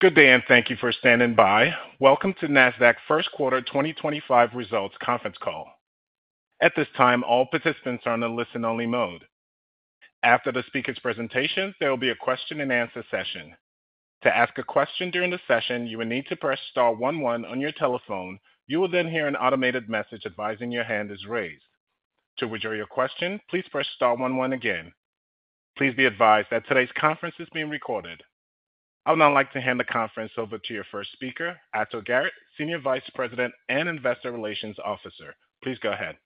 Good day, and thank you for standing by. Welcome to Nasdaq Q1 2025 Results Conference Call. At this time, all participants are in a listen-only mode. After the speakers' presentations, there will be a Q&A. To ask a question during the session, you will need to press Star one one on your telephone. You will then hear an automated message advising your hand is raised. To withdraw your question, please press Star one one again. Please be advised that today's conference is being recorded. I would now like to hand the conference over to your first speaker, Ato Garrett, Senior Vice President and Investor Relations Officer. Please go ahead.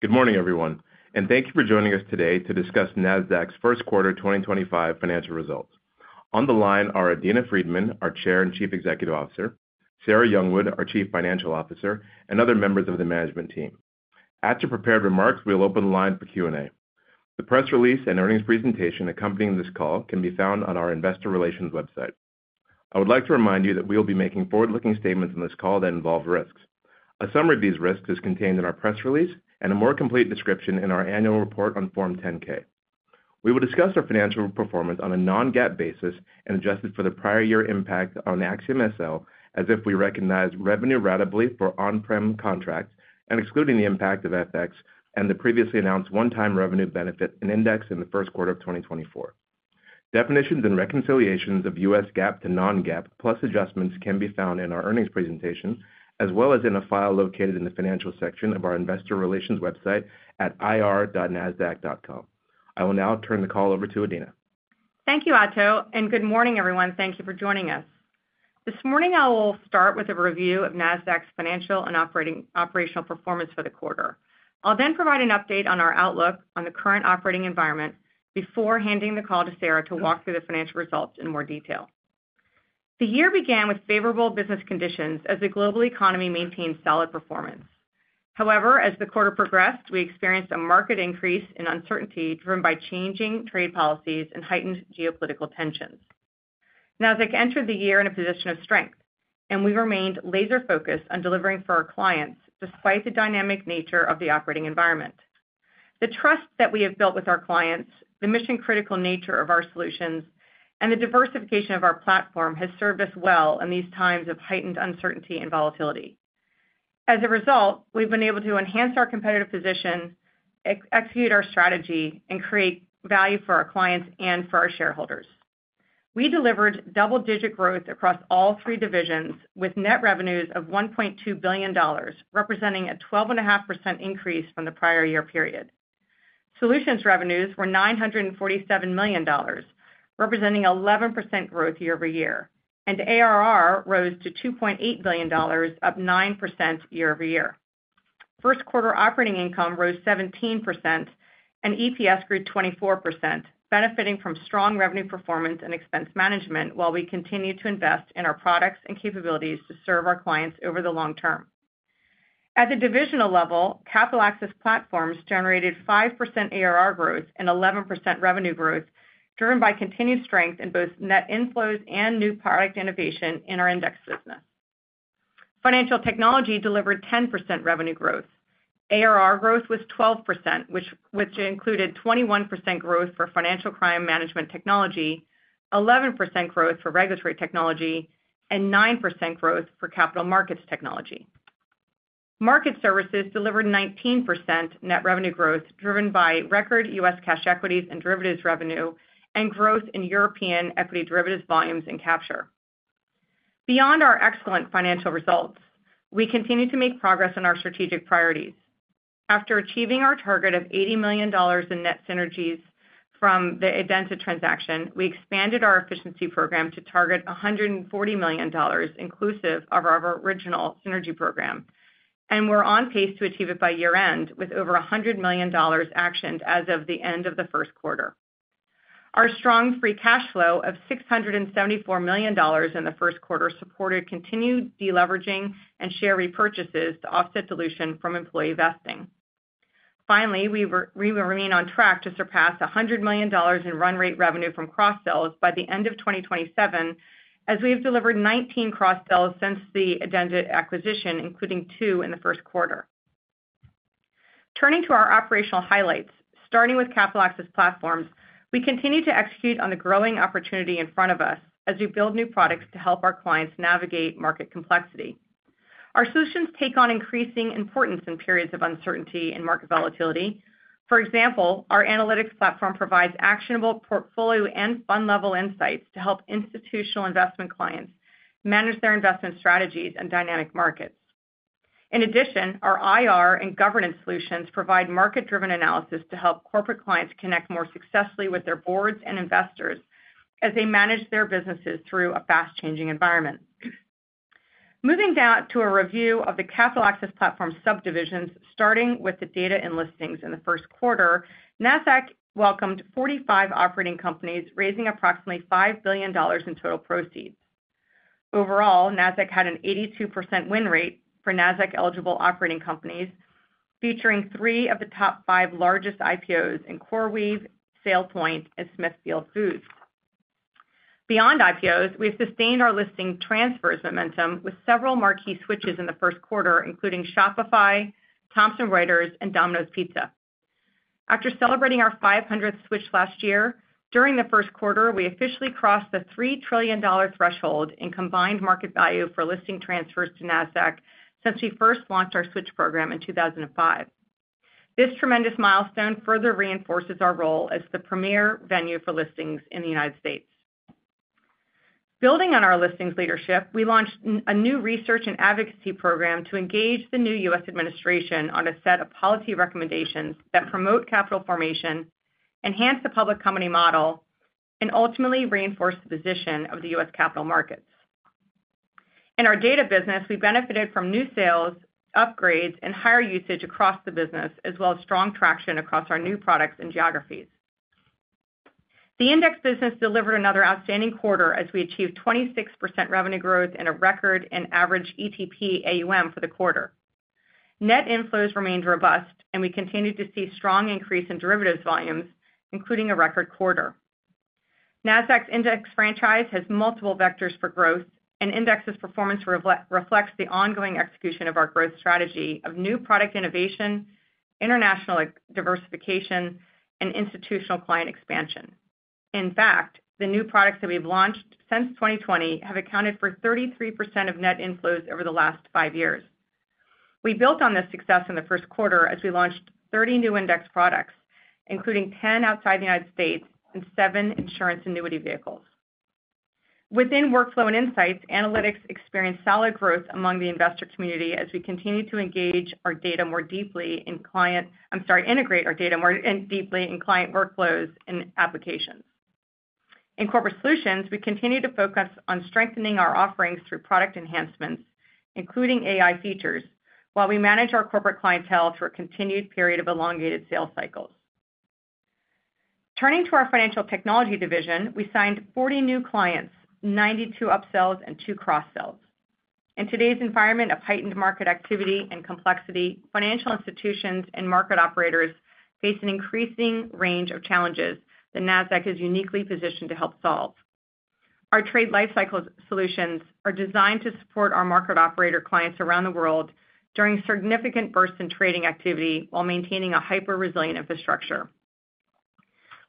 Good morning, everyone, and thank you for joining us today to discuss Nasdaq's Q1 2025 Financial Results. On the line are Adena Friedman, our Chair and Chief Executive Officer, Sarah Youngwood, our Chief Financial Officer, and other members of the management team. After prepared remarks, we will open the line for Q&A. The press release and earnings presentation accompanying this call can be found on our Investor Relations website. I would like to remind you that we will be making forward-looking statements in this call that involve risks. A summary of these risks is contained in our press release and a more complete description in our annual report on Form 10-K. We will discuss our financial performance on a non-GAAP basis and adjust it for the prior year impact on AxiomSL, as if we recognize revenue ratably for on-prem contracts, and excluding the impact of FX and the previously announced one-time revenue benefit index in the Q1 of 2024. Definitions and reconciliations of US GAAP to non-GAAP plus adjustments can be found in our earnings presentation, as well as in a file located in the financial section of our investor relations website at ir.nasdaq.com. I will now turn the call over to Adena. Thank you, Ato, and good morning, everyone. Thank you for joining us. This morning, I will start with a review of Nasdaq's financial and operational performance for the quarter. I'll then provide an update on our outlook on the current operating environment before handing the call to Sarah to walk through the financial results in more detail. The year began with favorable business conditions as the global economy maintained solid performance. However, as the quarter progressed, we experienced a marked increase in uncertainty driven by changing trade policies and heightened geopolitical tensions. Nasdaq entered the year in a position of strength, and we remained laser-focused on delivering for our clients despite the dynamic nature of the operating environment. The trust that we have built with our clients, the mission-critical nature of our solutions, and the diversification of our platform have served us well in these times of heightened uncertainty and volatility. As a result, we've been able to enhance our competitive position, execute our strategy, and create value for our clients and for our shareholders. We delivered double-digit growth across all three divisions, with net revenues of $1.2 billion, representing a 12.5% increase from the prior year period. Solutions revenues were $947 million, representing 11% growth year-over-year, and ARR rose to $2.8 billion, up 9% year-over-year. Q1 operating income rose 17%, and EPS grew 24%, benefiting from strong revenue performance and expense management while we continue to invest in our products and capabilities to serve our clients over the long term. At the divisional level, Capital Access Platforms generated 5% ARR growth and 11% revenue growth, driven by continued strength in both net inflows and new product innovation in our index business. Financial technology delivered 10% revenue growth. ARR growth was 12%, which included 21% growth for Financial Crime Management Technology, 11% growth for Regulatory Technology, and 9% growth for Capital Markets Technology. Market Services delivered 19% net revenue growth, driven by record U.S. cash equities and derivatives revenue and growth in European equity derivatives volumes and capture. Beyond our excellent financial results, we continue to make progress on our strategic priorities. After achieving our target of $80 million in net synergies from the Adena transaction, we expanded our efficiency program to target $140 million, inclusive of our original synergy program, and we're on pace to achieve it by year-end, with over $100 million actioned as of the end of the Q1. Our strong free cash flow of $674 million in the Q1 supported continued deleveraging and share repurchases to offset dilution from employee vesting. Finally, we remain on track to surpass $100 million in run rate revenue from cross-sells by the end of 2027, as we have delivered 19 cross-sells since the Adena acquisition, including two in the Q1. Turning to our operational highlights, starting with Capital Access Platforms, we continue to execute on the growing opportunity in front of us as we build new products to help our clients navigate market complexity. Our solutions take on increasing importance in periods of uncertainty and market volatility. For example, our Analytics Platform provides actionable portfolio and fund-level insights to help institutional investment clients manage their investment strategies in dynamic markets. In addition, our IR and Governance Solutions provide market-driven analysis to help corporate clients connect more successfully with their boards and investors as they manage their businesses through a fast-changing environment. Moving down to a review of the Capital Access Platform subdivisions, starting with the Data and Listings in the Q1, Nasdaq welcomed 45 operating companies, raising approximately $5 billion in total proceeds. Overall, Nasdaq had an 82% win rate for Nasdaq-eligible operating companies, featuring three of the top five largest IPOs in CoreWeave, SailPoint, and Smithfield Foods. Beyond IPOs, we have sustained our listing transfers momentum with several marquee switches in the Q1, including Shopify, Thomson Reuters, and Domino's Pizza. After celebrating our 500th switch last year, during the Q1, we officially crossed the $3 trillion threshold in combined market value for listing transfers to Nasdaq since we first launched our switch program in 2005. This tremendous milestone further reinforces our role as the premier venue for listings in the U.S. Building on our listings leadership, we launched a new research and advocacy program to engage the new U.S. administration on a set of policy recommendations that promote capital formation, enhance the public company model, and ultimately reinforce the position of the U.S. capital markets. In our data business, we benefited from new sales, upgrades, and higher usage across the business, as well as strong traction across our new products and geographies. The index business delivered another outstanding quarter as we achieved 26% revenue growth and a record and average ETP AUM for the quarter. Net inflows remained robust, and we continued to see strong increase in derivatives volumes, including a record quarter. Nasdaq's index franchise has multiple vectors for growth, and index's performance reflects the ongoing execution of our growth strategy of new product innovation, international diversification, and institutional client expansion. In fact, the new products that we've launched since 2020 have accounted for 33% of net inflows over the last five years. We built on this success in the Q1 as we launched 30 new index products, including 10 outside the United States and seven insurance annuity vehicles. Within Workflow and Insights, analytics experienced solid growth among the investor community as we continue to engage our data more deeply in client—I'm sorry, integrate our data more deeply in client workflows and applications. In corporate solutions, we continue to focus on strengthening our offerings through product enhancements, including AI features, while we manage our corporate clientele through a continued period of elongated sales cycles. Turning to our financial technology division, we signed 40 new clients, 92 upsells, and two cross-sells. In today's environment of heightened market activity and complexity, financial institutions and market operators face an increasing range of challenges that Nasdaq is uniquely positioned to help solve. Our trade lifecycle solutions are designed to support our market operator clients around the world during significant bursts in trading activity while maintaining a hyper-resilient infrastructure.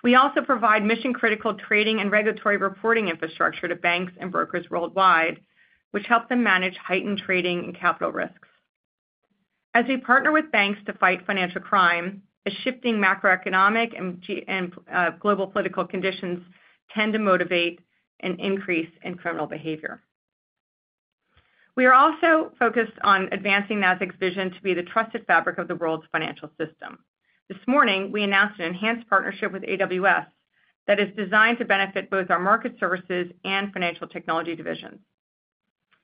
We also provide mission-critical trading and regulatory reporting infrastructure to banks and brokers worldwide, which helps them manage heightened trading and capital risks. As we partner with banks to fight financial crime, a shifting macroeconomic and global political conditions tend to motivate an increase in criminal behavior. We are also focused on advancing Nasdaq's vision to be the trusted fabric of the world's financial system. This morning, we announced an enhanced partnership with AWS that is designed to benefit both our market services and financial technology divisions.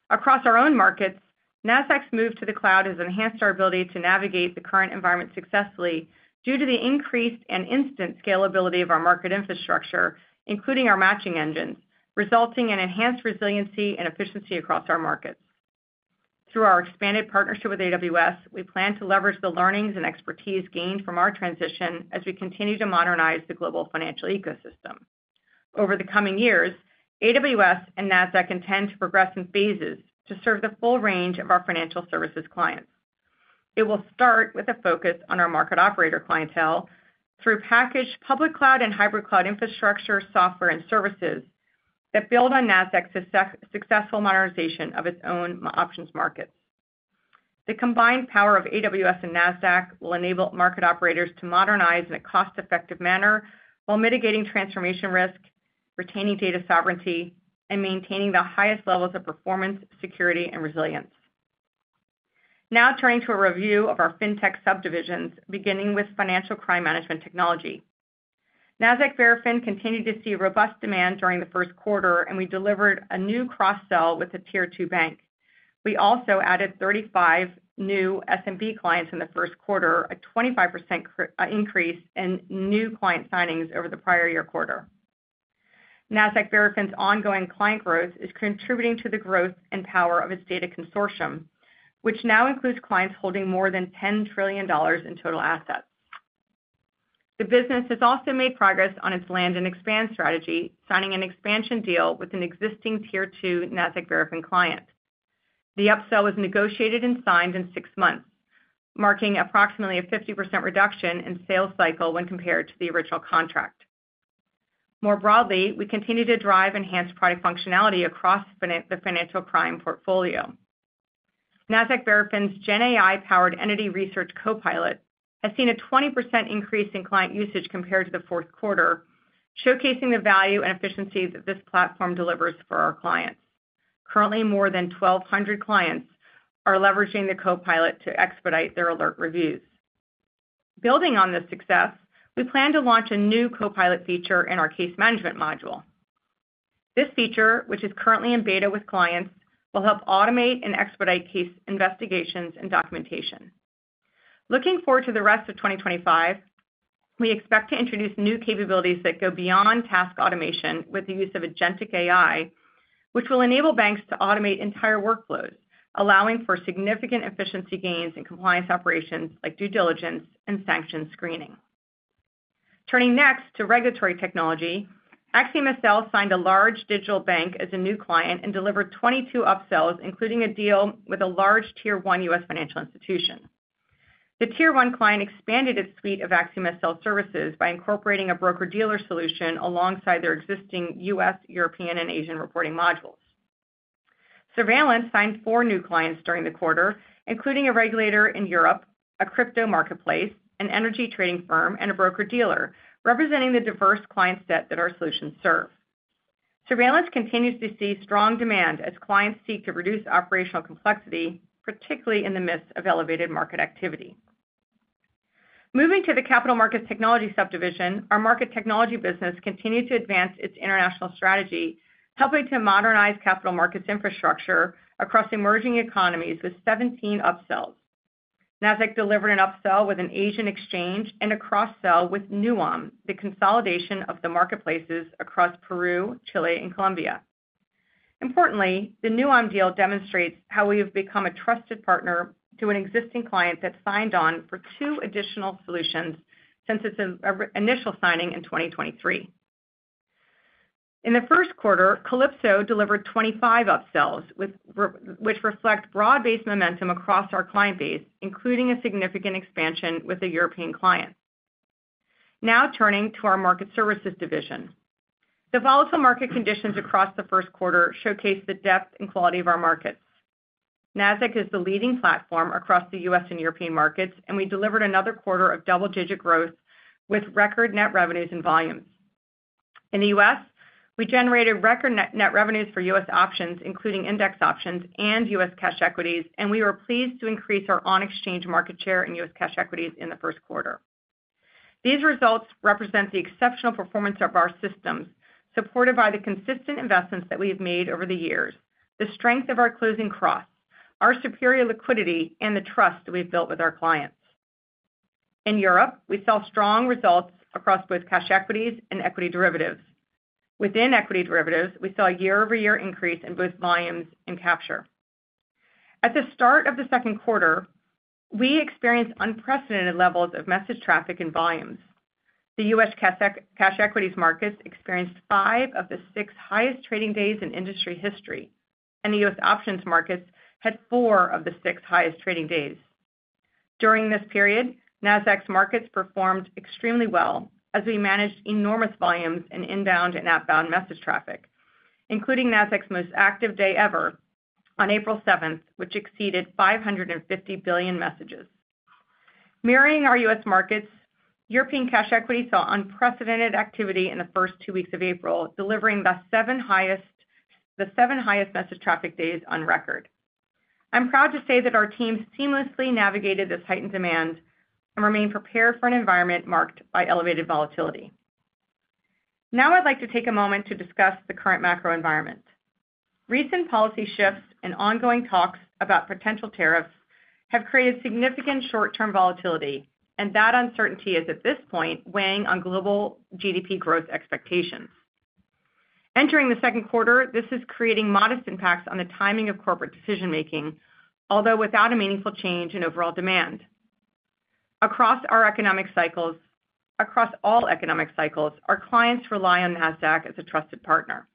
Across our own markets, Nasdaq's move to the cloud has enhanced our ability to navigate the current environment successfully due to the increased and instant scalability of our market infrastructure, including our matching engines, resulting in enhanced resiliency and efficiency across our markets. Through our expanded partnership with AWS, we plan to leverage the learnings and expertise gained from our transition as we continue to modernize the global financial ecosystem. Over the coming years, AWS and Nasdaq intend to progress in phases to serve the full range of our financial services clients. It will start with a focus on our market operator clientele through packaged public cloud and hybrid cloud infrastructure software and services that build on Nasdaq's successful modernization of its own options markets. The combined power of AWS and Nasdaq will enable market operators to modernize in a cost-effective manner while mitigating transformation risk, retaining data sovereignty, and maintaining the highest levels of performance, security, and resilience. Now turning to a review of our fintech subdivisions, beginning with financial crime management technology. Nasdaq Verafin continued to see robust demand during the Q1, and we delivered a new cross-sell with a tier two bank. We also added 35 new SMB clients in the Q1, a 25% increase in new client signings over the prior year quarter. Nasdaq Verafin's ongoing client growth is contributing to the growth and power of its data consortium, which now includes clients holding more than $10 trillion in total assets. The business has also made progress on its land and expand strategy, signing an expansion deal with an existing tier two Nasdaq Verafin client. The upsell was negotiated and signed in six months, marking approximately a 50% reduction in sales cycle when compared to the original contract. More broadly, we continue to drive enhanced product functionality across the financial crime portfolio. Nasdaq Verafin's Gen AI-powered Entity Research Copilot has seen a 20% increase in client usage compared to the Q4, showcasing the value and efficiency that this platform delivers for our clients. Currently, more than 1,200 clients are leveraging the Copilot to expedite their alert reviews. Building on this success, we plan to launch a new Copilot feature in our case management module. This feature, which is currently in beta with clients, will help automate and expedite case investigations and documentation. Looking forward to the rest of 2025, we expect to introduce new capabilities that go beyond task automation with the use of agentic AI, which will enable banks to automate entire workflows, allowing for significant efficiency gains in compliance operations like due diligence and sanctions screening. Turning next to regulatory technology, AxiomSL signed a large digital bank as a new client and delivered 22 upsells, including a deal with a large tier one U.S. financial institution. The tier one client expanded its suite of AxiomSL services by incorporating a broker-dealer solution alongside their existing U.S., European, and Asian reporting modules. Surveillance signed four new clients during the quarter, including a regulator in Europe, a crypto marketplace, an energy trading firm, and a broker-dealer, representing the diverse client set that our solutions serve. Surveillance continues to see strong demand as clients seek to reduce operational complexity, particularly in the midst of elevated market activity. Moving to the capital markets technology subdivision, our market technology business continued to advance its international strategy, helping to modernize capital markets infrastructure across emerging economies with 17 upsells. Nasdaq delivered an upsell with an Asian exchange and a cross-sell with nuam, the consolidation of the marketplaces across Peru, Chile, and Colombia. Importantly, the nuam deal demonstrates how we have become a trusted partner to an existing client that signed on for two additional solutions since its initial signing in 2023. In the Q1, Calypso delivered 25 upsells, which reflect broad-based momentum across our client base, including a significant expansion with a European client. Now turning to our market services division, the volatile market conditions across the Q1 showcase the depth and quality of our markets. Nasdaq is the leading platform across the U.S. and European markets, and we delivered another quarter of double-digit growth with record net revenues and volumes. In the U.S., we generated record net revenues for U.S. options, including index options and U.S. cash equities, and we were pleased to increase our on-exchange market share in U.S. cash equities in the Q1. These results represent the exceptional performance of our systems, supported by the consistent investments that we've made over the years, the strength of our closing cross, our superior liquidity, and the trust we've built with our clients. In Europe, we saw strong results across both cash equities and equity derivatives. Within equity derivatives, we saw a year-over-year increase in both volumes and capture. At the start of the Q2, we experienced unprecedented levels of message traffic and volumes. The U.S. cash equities markets experienced five of the six highest trading days in industry history, and the U.S. options markets had four of the six highest trading days. During this period, Nasdaq's markets performed extremely well as we managed enormous volumes and inbound and outbound message traffic, including Nasdaq's most active day ever on April 7th, which exceeded 550 billion messages. Mirroring our U.S. markets, European cash equities saw unprecedented activity in the first two weeks of April, delivering the seven highest message traffic days on record. I'm proud to say that our team seamlessly navigated this heightened demand and remained prepared for an environment marked by elevated volatility. Now I'd like to take a moment to discuss the current macro environment. Recent policy shifts and ongoing talks about potential tariffs have created significant short-term volatility, and that uncertainty is at this point weighing on global GDP growth expectations. Entering the Q2, this is creating modest impacts on the timing of corporate decision-making, although without a meaningful change in overall demand. Across our economic cycles, across all economic cycles, our clients rely on Nasdaq as a trusted partner.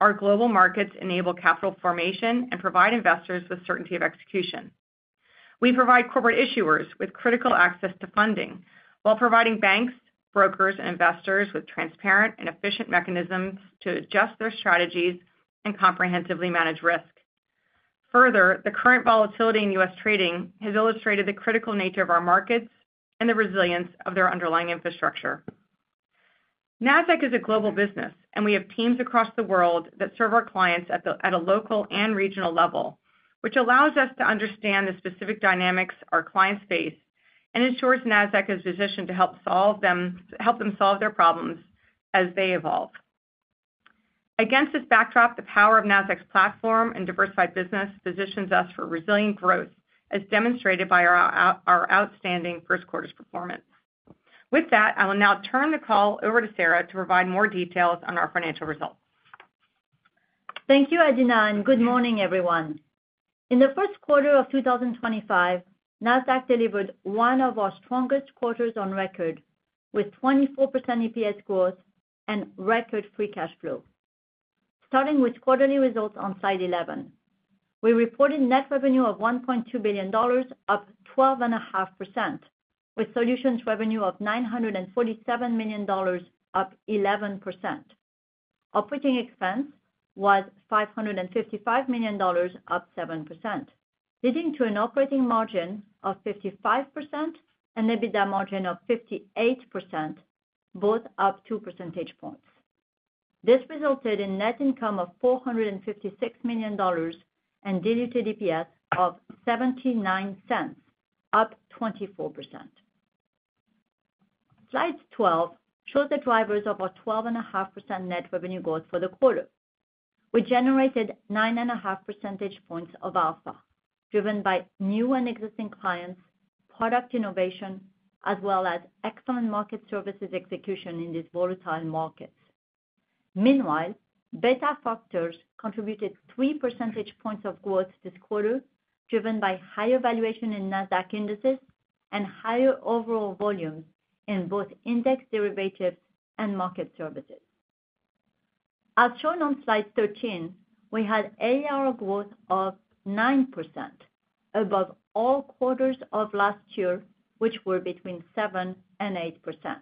Our global markets enable capital formation and provide investors with certainty of execution. We provide corporate issuers with critical access to funding while providing banks, brokers, and investors with transparent and efficient mechanisms to adjust their strategies and comprehensively manage risk. Further, the current volatility in U.S. trading has illustrated the critical nature of our markets and the resilience of their underlying infrastructure. Nasdaq is a global business, and we have teams across the world that serve our clients at a local and regional level, which allows us to understand the specific dynamics our clients face and ensures Nasdaq is positioned to help them solve their problems as they evolve. Against this backdrop, the power of Nasdaq's platform and diversified business positions us for resilient growth, as demonstrated by our outstanding Q1's performance. With that, I will now turn the call over to Sarah to provide more details on our financial results. Thank you, Adena. Good morning, everyone. In the Q1 of 2025, Nasdaq delivered one of our strongest quarters on record with 24% EPS growth and record free cash flow. Starting with quarterly results on slide 11, we reported net revenue of $1.2 billion, up 12.5%, with solutions revenue of $947 million, up 11%. Operating expense was $555 million, up 7%, leading to an operating margin of 55% and EBITDA margin of 58%, both up 2 percentage points. This resulted in net income of $456 million and diluted EPS of $0.79, up 24%. Slide 12 shows the drivers of our 12.5% net revenue growth for the quarter. We generated 9.5 percentage points of alpha, driven by new and existing clients, product innovation, as well as excellent market services execution in these volatile markets. Meanwhile, beta factors contributed 3 percentage points of growth this quarter, driven by higher valuation in Nasdaq indices and higher overall volumes in both index derivatives and market services. As shown on slide 13, we had ARR growth of 9% above all quarters of last year, which were between 7% and 8%.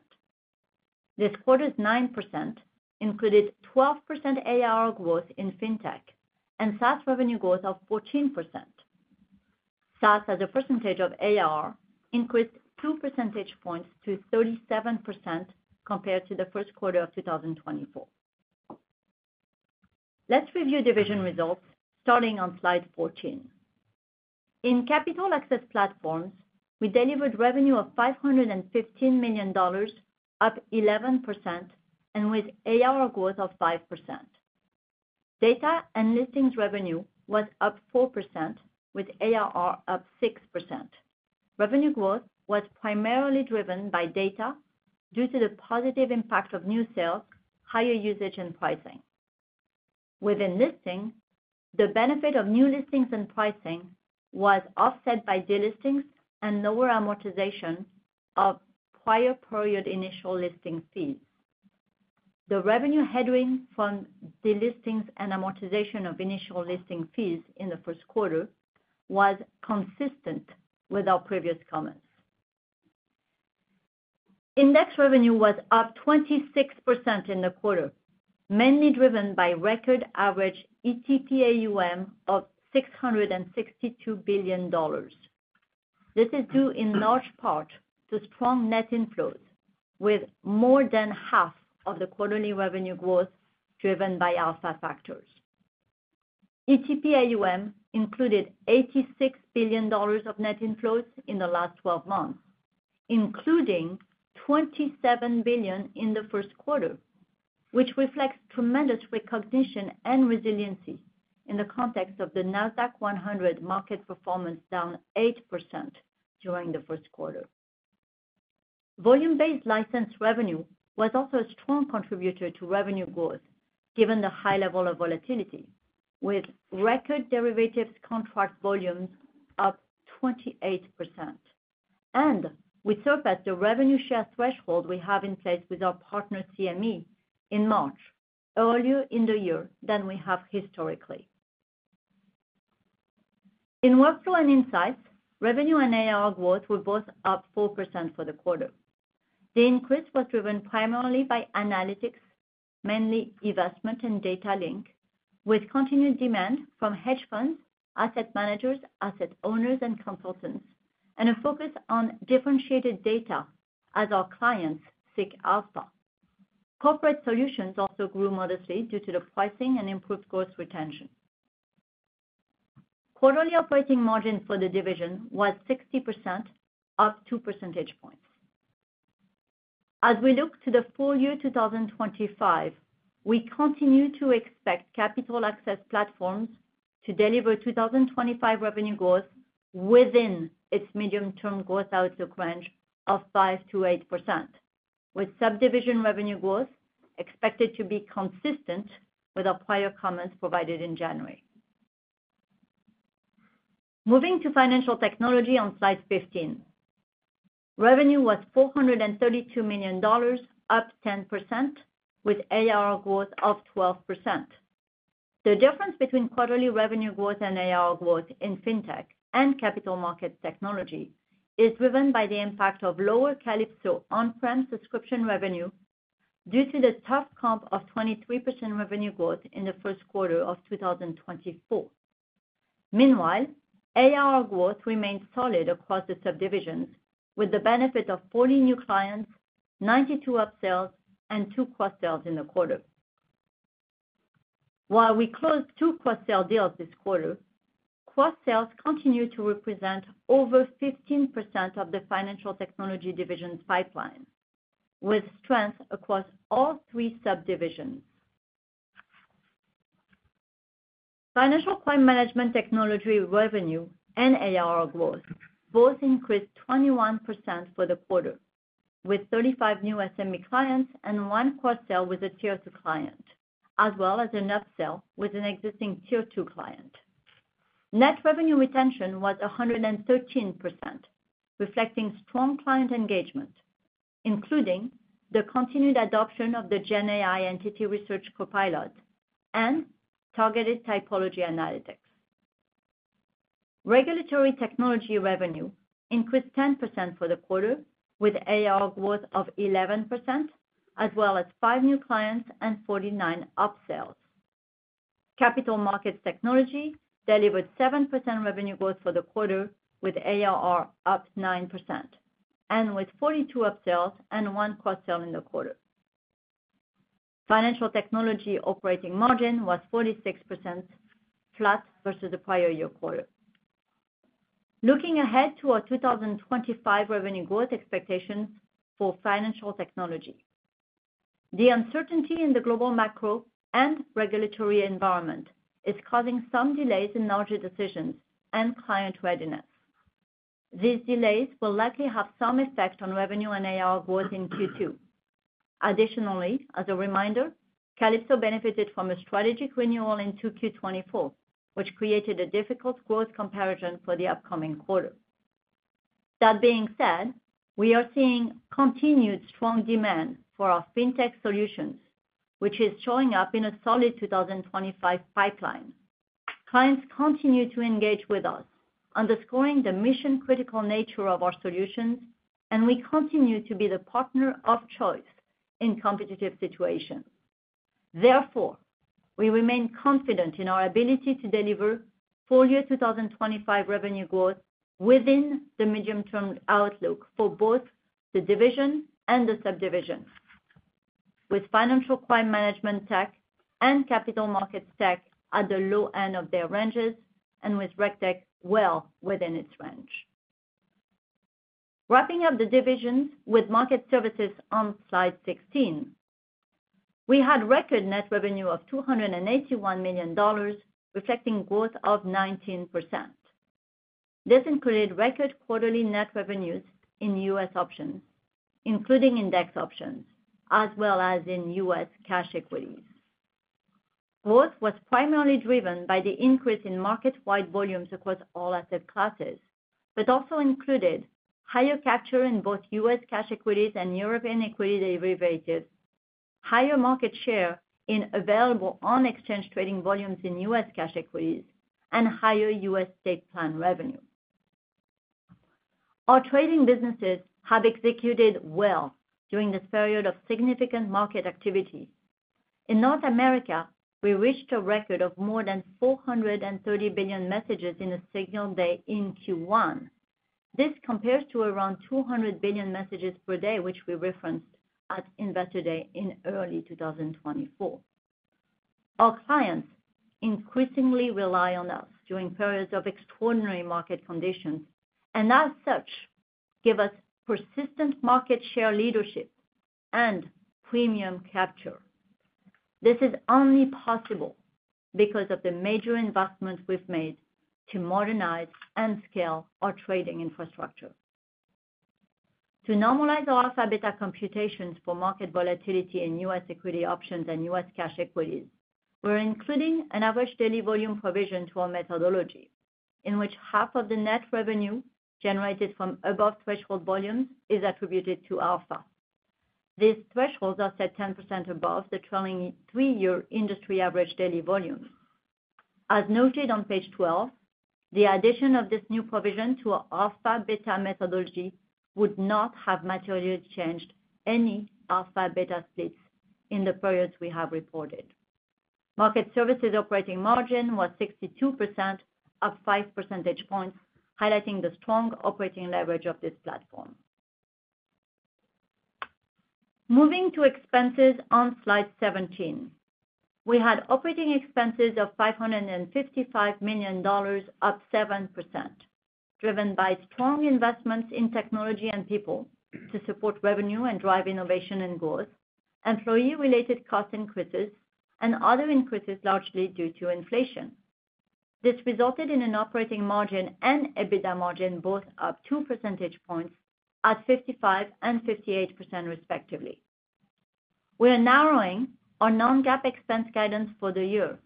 This quarter's 9% included 12% ARR growth in fintech and SaaS revenue growth of 14%. SaaS, as a percentage of ARR, increased 2 percentage points to 37% compared to the Q1 of 2024. Let's review division results starting on slide 14. In capital access platforms, we delivered revenue of $515 million, up 11%, and with ARR growth of 5%. Data and listings revenue was up 4%, with ARR up 6%. Revenue growth was primarily driven by data due to the positive impact of new sales, higher usage, and pricing. Within listing, the benefit of new listings and pricing was offset by delistings and lower amortization of prior period initial listing fees. The revenue headwind from delistings and amortization of initial listing fees in the Q1 was consistent with our previous comments. Index revenue was up 26% in the quarter, mainly driven by record average ETP AUM of $662 billion. This is due in large part to strong net inflows, with more than half of the quarterly revenue growth driven by alpha factors. ETP AUM included $86 billion of net inflows in the last 12 months, including $27 billion in the Q1, which reflects tremendous recognition and resiliency in the context of the Nasdaq-100 market performance down 8% during the Q1. Volume-based license revenue was also a strong contributor to revenue growth, given the high level of volatility, with record derivatives contract volumes up 28%. We surpassed the revenue share threshold we have in place with our partner CME in March, earlier in the year than we have historically. In workflow and insights, revenue and ARR growth were both up 4% for the quarter. The increase was driven primarily by analytics, mainly investment and data link, with continued demand from hedge funds, asset managers, asset owners, and consultants, and a focus on differentiated data as our clients seek alpha. Corporate solutions also grew modestly due to the pricing and improved growth retention. Quarterly operating margin for the division was 60%, up 2 percentage points. As we look to the full year 2025, we continue to expect capital access platforms to deliver 2025 revenue growth within its medium-term growth outlook range of 5%-8%, with subdivision revenue growth expected to be consistent with our prior comments provided in January. Moving to financial technology on slide 15, revenue was $432 million, up 10%, with ARR growth of 12%. The difference between quarterly revenue growth and ARR growth in fintech and capital markets technology is driven by the impact of lower Calypso on-prem subscription revenue due to the tough comp of 23% revenue growth in the Q1 of 2024. Meanwhile, ARR growth remained solid across the subdivisions, with the benefit of 40 new clients, 92 upsells, and two cross-sells in the quarter. While we closed two cross-sell deals this quarter, cross-sells continued to represent over 15% of the financial technology division's pipeline, with strength across all three subdivisions. Financial crime management technology revenue and ARR growth both increased 21% for the quarter, with 35 new SME clients and one cross-sell with a tier two client, as well as an upsell with an existing tier two client. Net revenue retention was 113%, reflecting strong client engagement, including the continued adoption of the GenAI Entity Research Copilot and targeted typology analytics. Regulatory technology revenue increased 10% for the quarter, with ARR growth of 11%, as well as five new clients and 49 upsells. Capital markets technology delivered 7% revenue growth for the quarter, with ARR up 9%, and with 42 upsells and one cross-sell in the quarter. Financial technology operating margin was 46%, flat versus the prior year quarter. Looking ahead to our 2025 revenue growth expectations for financial technology, the uncertainty in the global macro and regulatory environment is causing some delays in larger decisions and client readiness. These delays will likely have some effect on revenue and ARR growth in Q2. Additionally, as a reminder, Calypso benefited from a strategic renewal in Q4 2024, which created a difficult growth comparison for the upcoming quarter. That being said, we are seeing continued strong demand for our fintech solutions, which is showing up in a solid 2025 pipeline. Clients continue to engage with us, underscoring the mission-critical nature of our solutions, and we continue to be the partner of choice in competitive situations. Therefore, we remain confident in our ability to deliver full year 2025 revenue growth within the medium-term outlook for both the division and the subdivision, with financial crime management technology and capital markets technology at the low end of their ranges and with regulatory technology well within its range. Wrapping up the divisions with market services on slide 16, we had record net revenue of $281 million, reflecting growth of 19%. This included record quarterly net revenues in U.S. options, including index options, as well as in U.S. cash equities. Growth was primarily driven by the increase in market-wide volumes across all asset classes, but also included higher capture in both U.S. cash equities and European equity derivatives, higher market share in available on-exchange trading volumes in U.S. cash equities, and higher U.S. state plan revenue. Our trading businesses have executed well during this period of significant market activity. In North America, we reached a record of more than 430 billion messages in a single day in Q1. This compares to around 200 billion messages per day, which we referenced at Investor Day in early 2024. Our clients increasingly rely on us during periods of extraordinary market conditions and, as such, give us persistent market share leadership and premium capture. This is only possible because of the major investments we've made to modernize and scale our trading infrastructure. To normalize our alpha beta computations for market volatility in U.S. equity options and U.S. cash equities, we're including an average daily volume provision to our methodology, in which half of the net revenue generated from above threshold volumes is attributed to alpha. These thresholds are set 10% above the trailing three-year industry average daily volumes. As noted on page 12, the addition of this new provision to our alpha beta methodology would not have materially changed any alpha beta splits in the periods we have reported. Market services operating margin was 62%, up 5 percentage points, highlighting the strong operating leverage of this platform. Moving to expenses on slide 17, we had operating expenses of $555 million, up 7%, driven by strong investments in technology and people to support revenue and drive innovation and growth, employee-related cost increases, and other increases largely due to inflation. This resulted in an operating margin and EBITDA margin both up 2 percentage points at 55% and 58%, respectively. We are narrowing our non-GAAP expense guidance for the year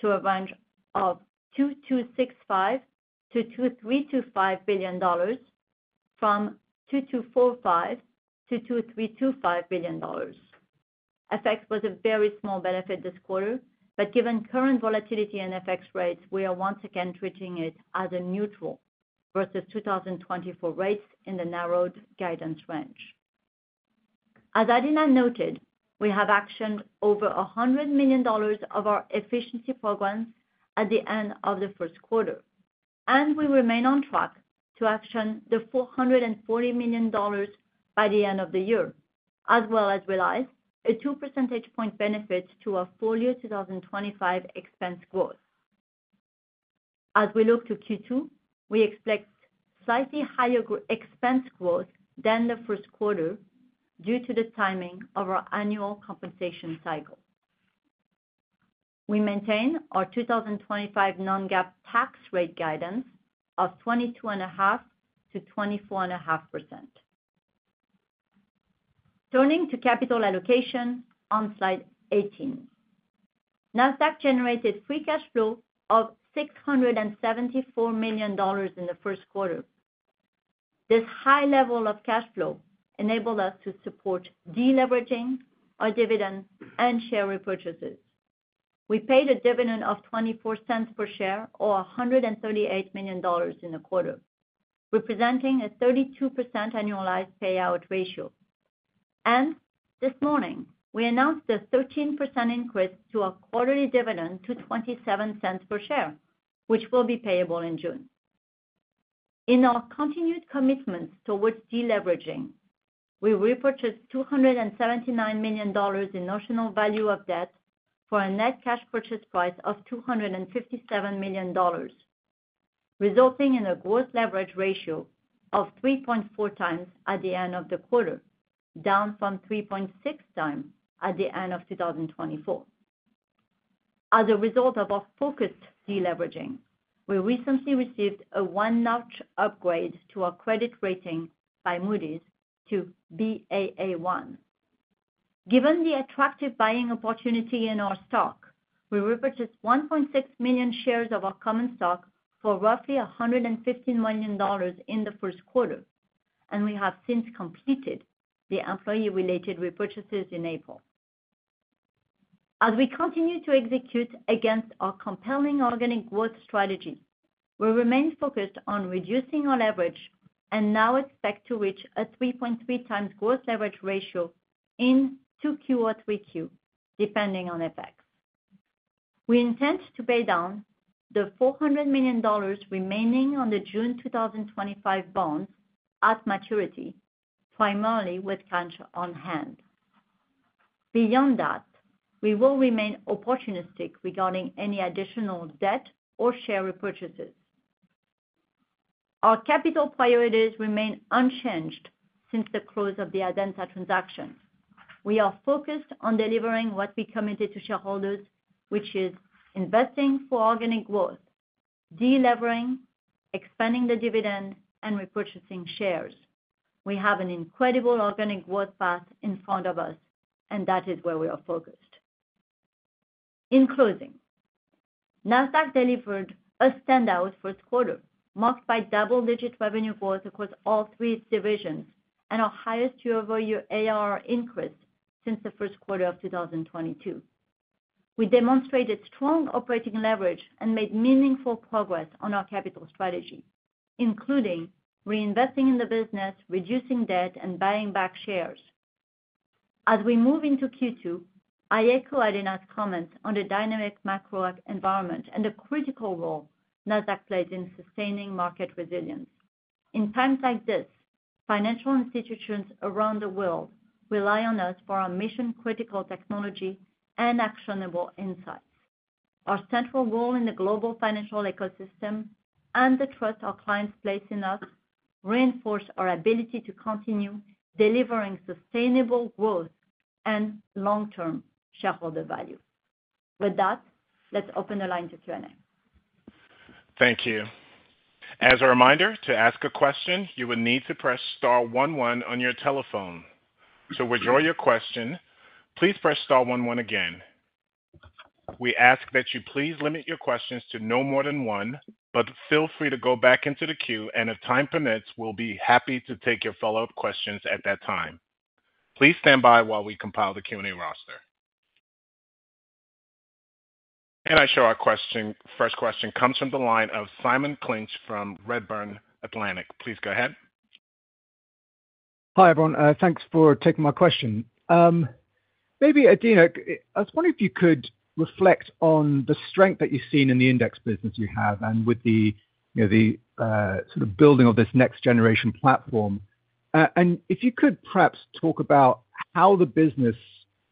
to a range of $2.265 billion-$2.325 billion, from $2.245 billion-$2.325 billion. FX was a very small benefit this quarter, but given current volatility and FX rates, we are once again treating it as a neutral versus 2024 rates in the narrowed guidance range. As Adena noted, we have actioned over $100 million of our efficiency programs at the end of the Q1, and we remain on track to action the $440 million by the end of the year, as well as realize a 2 percentage point benefit to our full year 2025 expense growth. As we look to Q2, we expect slightly higher expense growth than the Q1 due to the timing of our annual compensation cycle. We maintain our 2025 non-GAAP tax rate guidance of 22.5%-24.5%. Turning to capital allocation on slide 18, Nasdaq generated free cash flow of $674 million in the Q1. This high level of cash flow enabled us to support deleveraging, a dividend, and share repurchases. We paid a dividend of $0.24 per share, or $138 million in the quarter, representing a 32% annualized payout ratio. This morning, we announced a 13% increase to our quarterly dividend to $0.27 per share, which will be payable in June. In our continued commitments towards deleveraging, we repurchased $279 million in notional value of debt for a net cash purchase price of $257 million, resulting in a gross leverage ratio of 3.4x times at the end of the quarter, down from 3.6x times at the end of 2024. As a result of our focused deleveraging, we recently received a one-notch upgrade to our credit rating by Moody's to Baa1. Given the attractive buying opportunity in our stock, we repurchased 1.6 million shares of our common stock for roughly $115 million in the Q1, and we have since completed the employee-related repurchases in April. As we continue to execute against our compelling organic growth strategy, we remain focused on reducing our leverage and now expect to reach a 3.3x times gross leverage ratio in Q2 or Q3, depending on FX. We intend to pay down the $400 million remaining on the June 2025 bonds at maturity, primarily with cash on hand. Beyond that, we will remain opportunistic regarding any additional debt or share repurchases. Our capital priorities remain unchanged since the close of the Adenza transaction. We are focused on delivering what we committed to shareholders, which is investing for organic growth, delivering, expanding the dividend, and repurchasing shares. We have an incredible organic growth path in front of us, and that is where we are focused. In closing, Nasdaq delivered a standout Q1, marked by double-digit revenue growth across all three divisions and our highest year-over-year ARR increase since the Q1 of 2022. We demonstrated strong operating leverage and made meaningful progress on our capital strategy, including reinvesting in the business, reducing debt, and buying back shares. As we move into Q2, I echo Adena's comments on the dynamic macro environment and the critical role Nasdaq plays in sustaining market resilience. In times like this, financial institutions around the world rely on us for our mission-critical technology and actionable insights. Our central role in the global financial ecosystem and the trust our clients place in us reinforce our ability to continue delivering sustainable growth and long-term shareholder value. With that, let's open the line to Q&A. Thank you. As a reminder, to ask a question, you will need to press Star one one on your telephone. To withdraw your question, please press Star one one again. We ask that you please limit your questions to no more than one, but feel free to go back into the queue, and if time permits, we'll be happy to take your follow-up questions at that time. Please stand by while we compile the Q&A roster. I show our first question comes from the line of Simon Clinch from Redburn Atlantic. Please go ahead. Hi everyone. Thanks for taking my question. Maybe Adena, I was wondering if you could reflect on the strength that you've seen in the index business you have and with the sort of building of this next-generation platform. If you could perhaps talk about how the business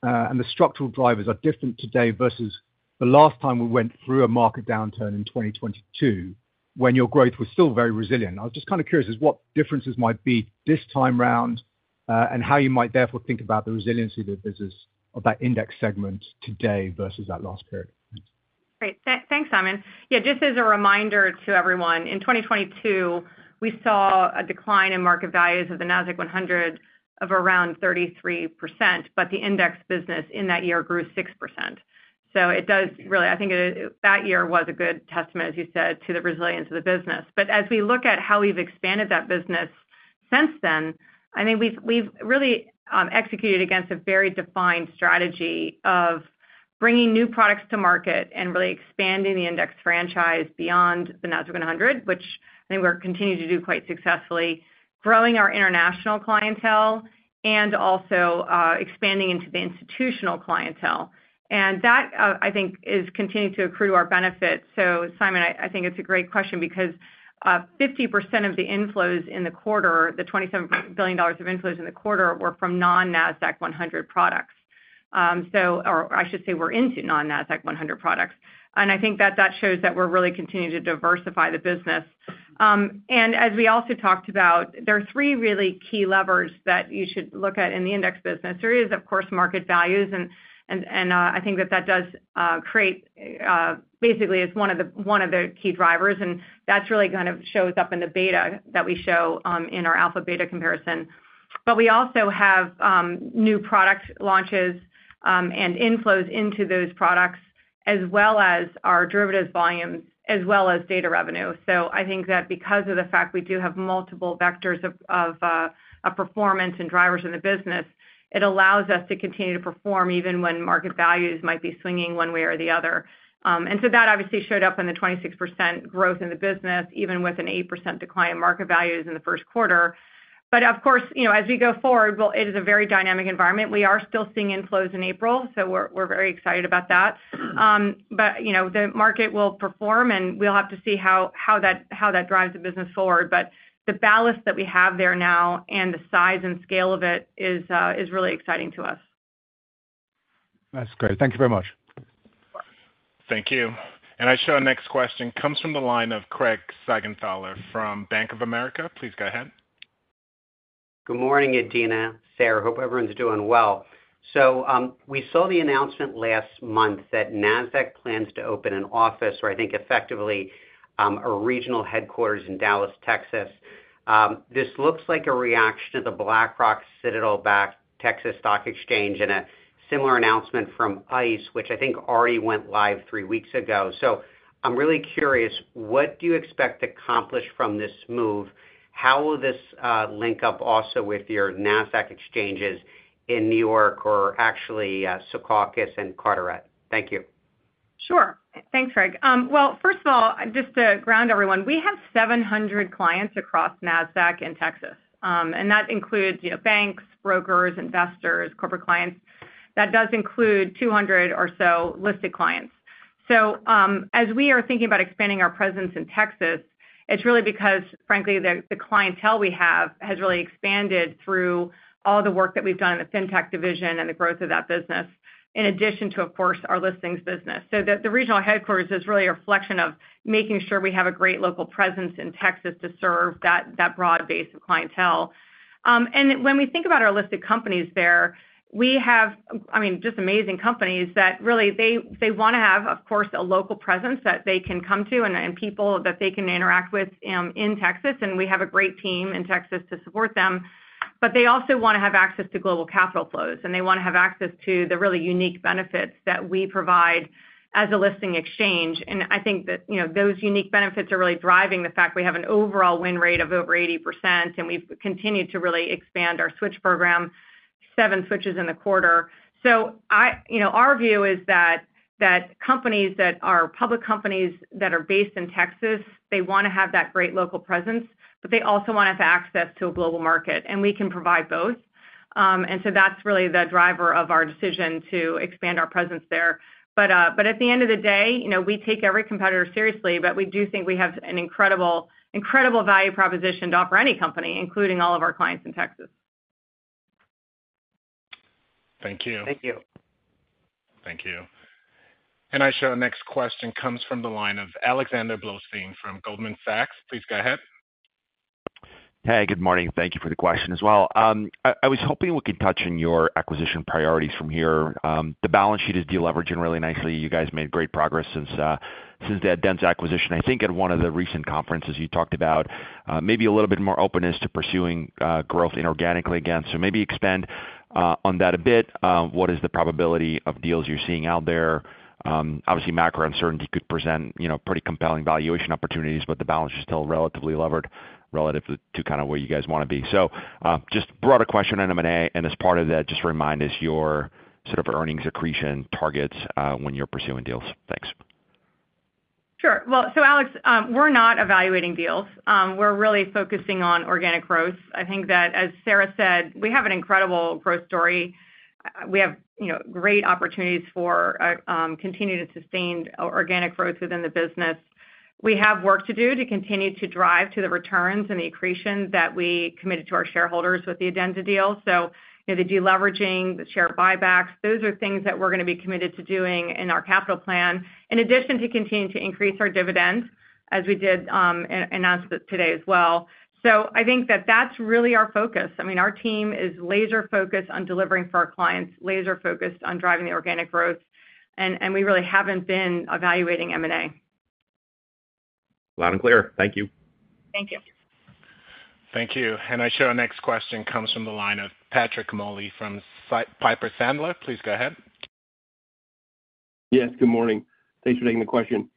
and the structural drivers are different today versus the last time we went through a market downturn in 2022 when your growth was still very resilient. I was just kind of curious as what differences might be this time around and how you might therefore think about the resiliency of the business of that index segment today versus that last period. Great. Thanks, Simon. Yeah, just as a reminder to everyone, in 2022, we saw a decline in market values of the Nasdaq-100 of around 33%, but the index business in that year grew 6%. It does really, I think that year was a good testament, as you said, to the resilience of the business. As we look at how we've expanded that business since then, I think we've really executed against a very defined strategy of bringing new products to market and really expanding the index franchise beyond the Nasdaq-100, which I think we're continuing to do quite successfully, growing our international clientele and also expanding into the institutional clientele. That, I think, is continuing to accrue to our benefit. Simon, I think it's a great question because 50% of the inflows in the quarter, the $27 billion of inflows in the quarter, were from non- Nasdaq-100 products. Or I should say were into non- Nasdaq-100 products. I think that shows that we're really continuing to diversify the business. As we also talked about, there are three really key levers that you should look at in the index business. There is, of course, market values, and I think that that does create, basically, is one of the key drivers, and that really kind of shows up in the beta that we show in our alpha beta comparison. We also have new product launches and inflows into those products, as well as our derivatives volumes, as well as data revenue. I think that because of the fact we do have multiple vectors of performance and drivers in the business, it allows us to continue to perform even when market values might be swinging one way or the other. That obviously showed up in the 26% growth in the business, even with an 8% decline in market values in the Q1. Of course, as we go forward, it is a very dynamic environment. We are still seeing inflows in April, so we're very excited about that. The market will perform, and we'll have to see how that drives the business forward. The ballast that we have there now and the size and scale of it is really exciting to us. That's great. Thank you very much. Thank you. I show our next question comes from the line of Craig Siegenthaler from Bank of America. Please go ahead. Good morning, Adena. Sarah, hope everyone's doing well. We saw the announcement last month that Nasdaq plans to open an office, or I think effectively a regional headquarters in Dallas, Texas. This looks like a reaction to the BlackRock, Citadel backed Texas Stock Exchange and a similar announcement from ICE, which I think already went live three weeks ago. I am really curious, what do you expect to accomplish from this move? How will this link up also with your Nasdaq exchanges in New York or actually Secaucus and Carteret? Thank you. Sure. Thanks, Craig. First of all, just to ground everyone, we have 700 clients across Nasdaq and Texas. That includes banks, brokers, investors, corporate clients. That does include 200 or so listed clients. As we are thinking about expanding our presence in Texas, it is really because, frankly, the clientele we have has really expanded through all the work that we have done in the FinTech division and the growth of that business, in addition to, of course, our listings business. The regional headquarters is really a reflection of making sure we have a great local presence in Texas to serve that broad base of clientele. When we think about our listed companies there, we have, I mean, just amazing companies that really they want to have, of course, a local presence that they can come to and people that they can interact with in Texas. We have a great team in Texas to support them. They also want to have access to global capital flows, and they want to have access to the really unique benefits that we provide as a listing exchange. I think that those unique benefits are really driving the fact we have an overall win rate of over 80%, and we've continued to really expand our switch program, seven switches in the quarter. Our view is that companies that are public companies that are based in Texas, they want to have that great local presence, but they also want to have access to a global market. We can provide both. That is really the driver of our decision to expand our presence there. At the end of the day, we take every competitor seriously, but we do think we have an incredible value proposition to offer any company, including all of our clients in Texas. Thank you. Thank you. Thank you. I show our next question comes from the line of Alexander Blostein from Goldman Sachs. Please go ahead. Hey, good morning. Thank you for the question as well. I was hoping we could touch on your acquisition priorities from here. The balance sheet is deleveraging really nicely. You guys made great progress since that Adena acquisition. I think at one of the recent conferences you talked about maybe a little bit more openness to pursuing growth inorganically again. Maybe expand on that a bit. What is the probability of deals you're seeing out there?, Obviously, macro uncertainty could present pretty compelling valuation opportunities, but the balance is still relatively levered relative to kind of where you guys want to be. Just broader question item and as part of that, just remind us your sort of earnings accretion targets when you're pursuing deals. Thanks. Sure. Alex, we're not evaluating deals. We're really focusing on organic growth. I think that, as Sarah said, we have an incredible growth story. We have great opportunities for continuing to sustain organic growth within the business. We have work to do to continue to drive to the returns and the accretion that we committed to our shareholders with the Adenza deal. The deleveraging, the share buybacks, those are things that we're going to be committed to doing in our capital plan, in addition to continuing to increase our dividend, as we did announce today as well. I think that that's really our focus. I mean, our team is laser-focused on delivering for our clients, laser-focused on driving the organic growth, and we really haven't been evaluating M&A. Loud and clear. Thank you. Thank you. Thank you. I show our next question comes from the line of Patrick Moley from Piper Sandler. Please go ahead. Yes, good morning. Thanks for taking the question.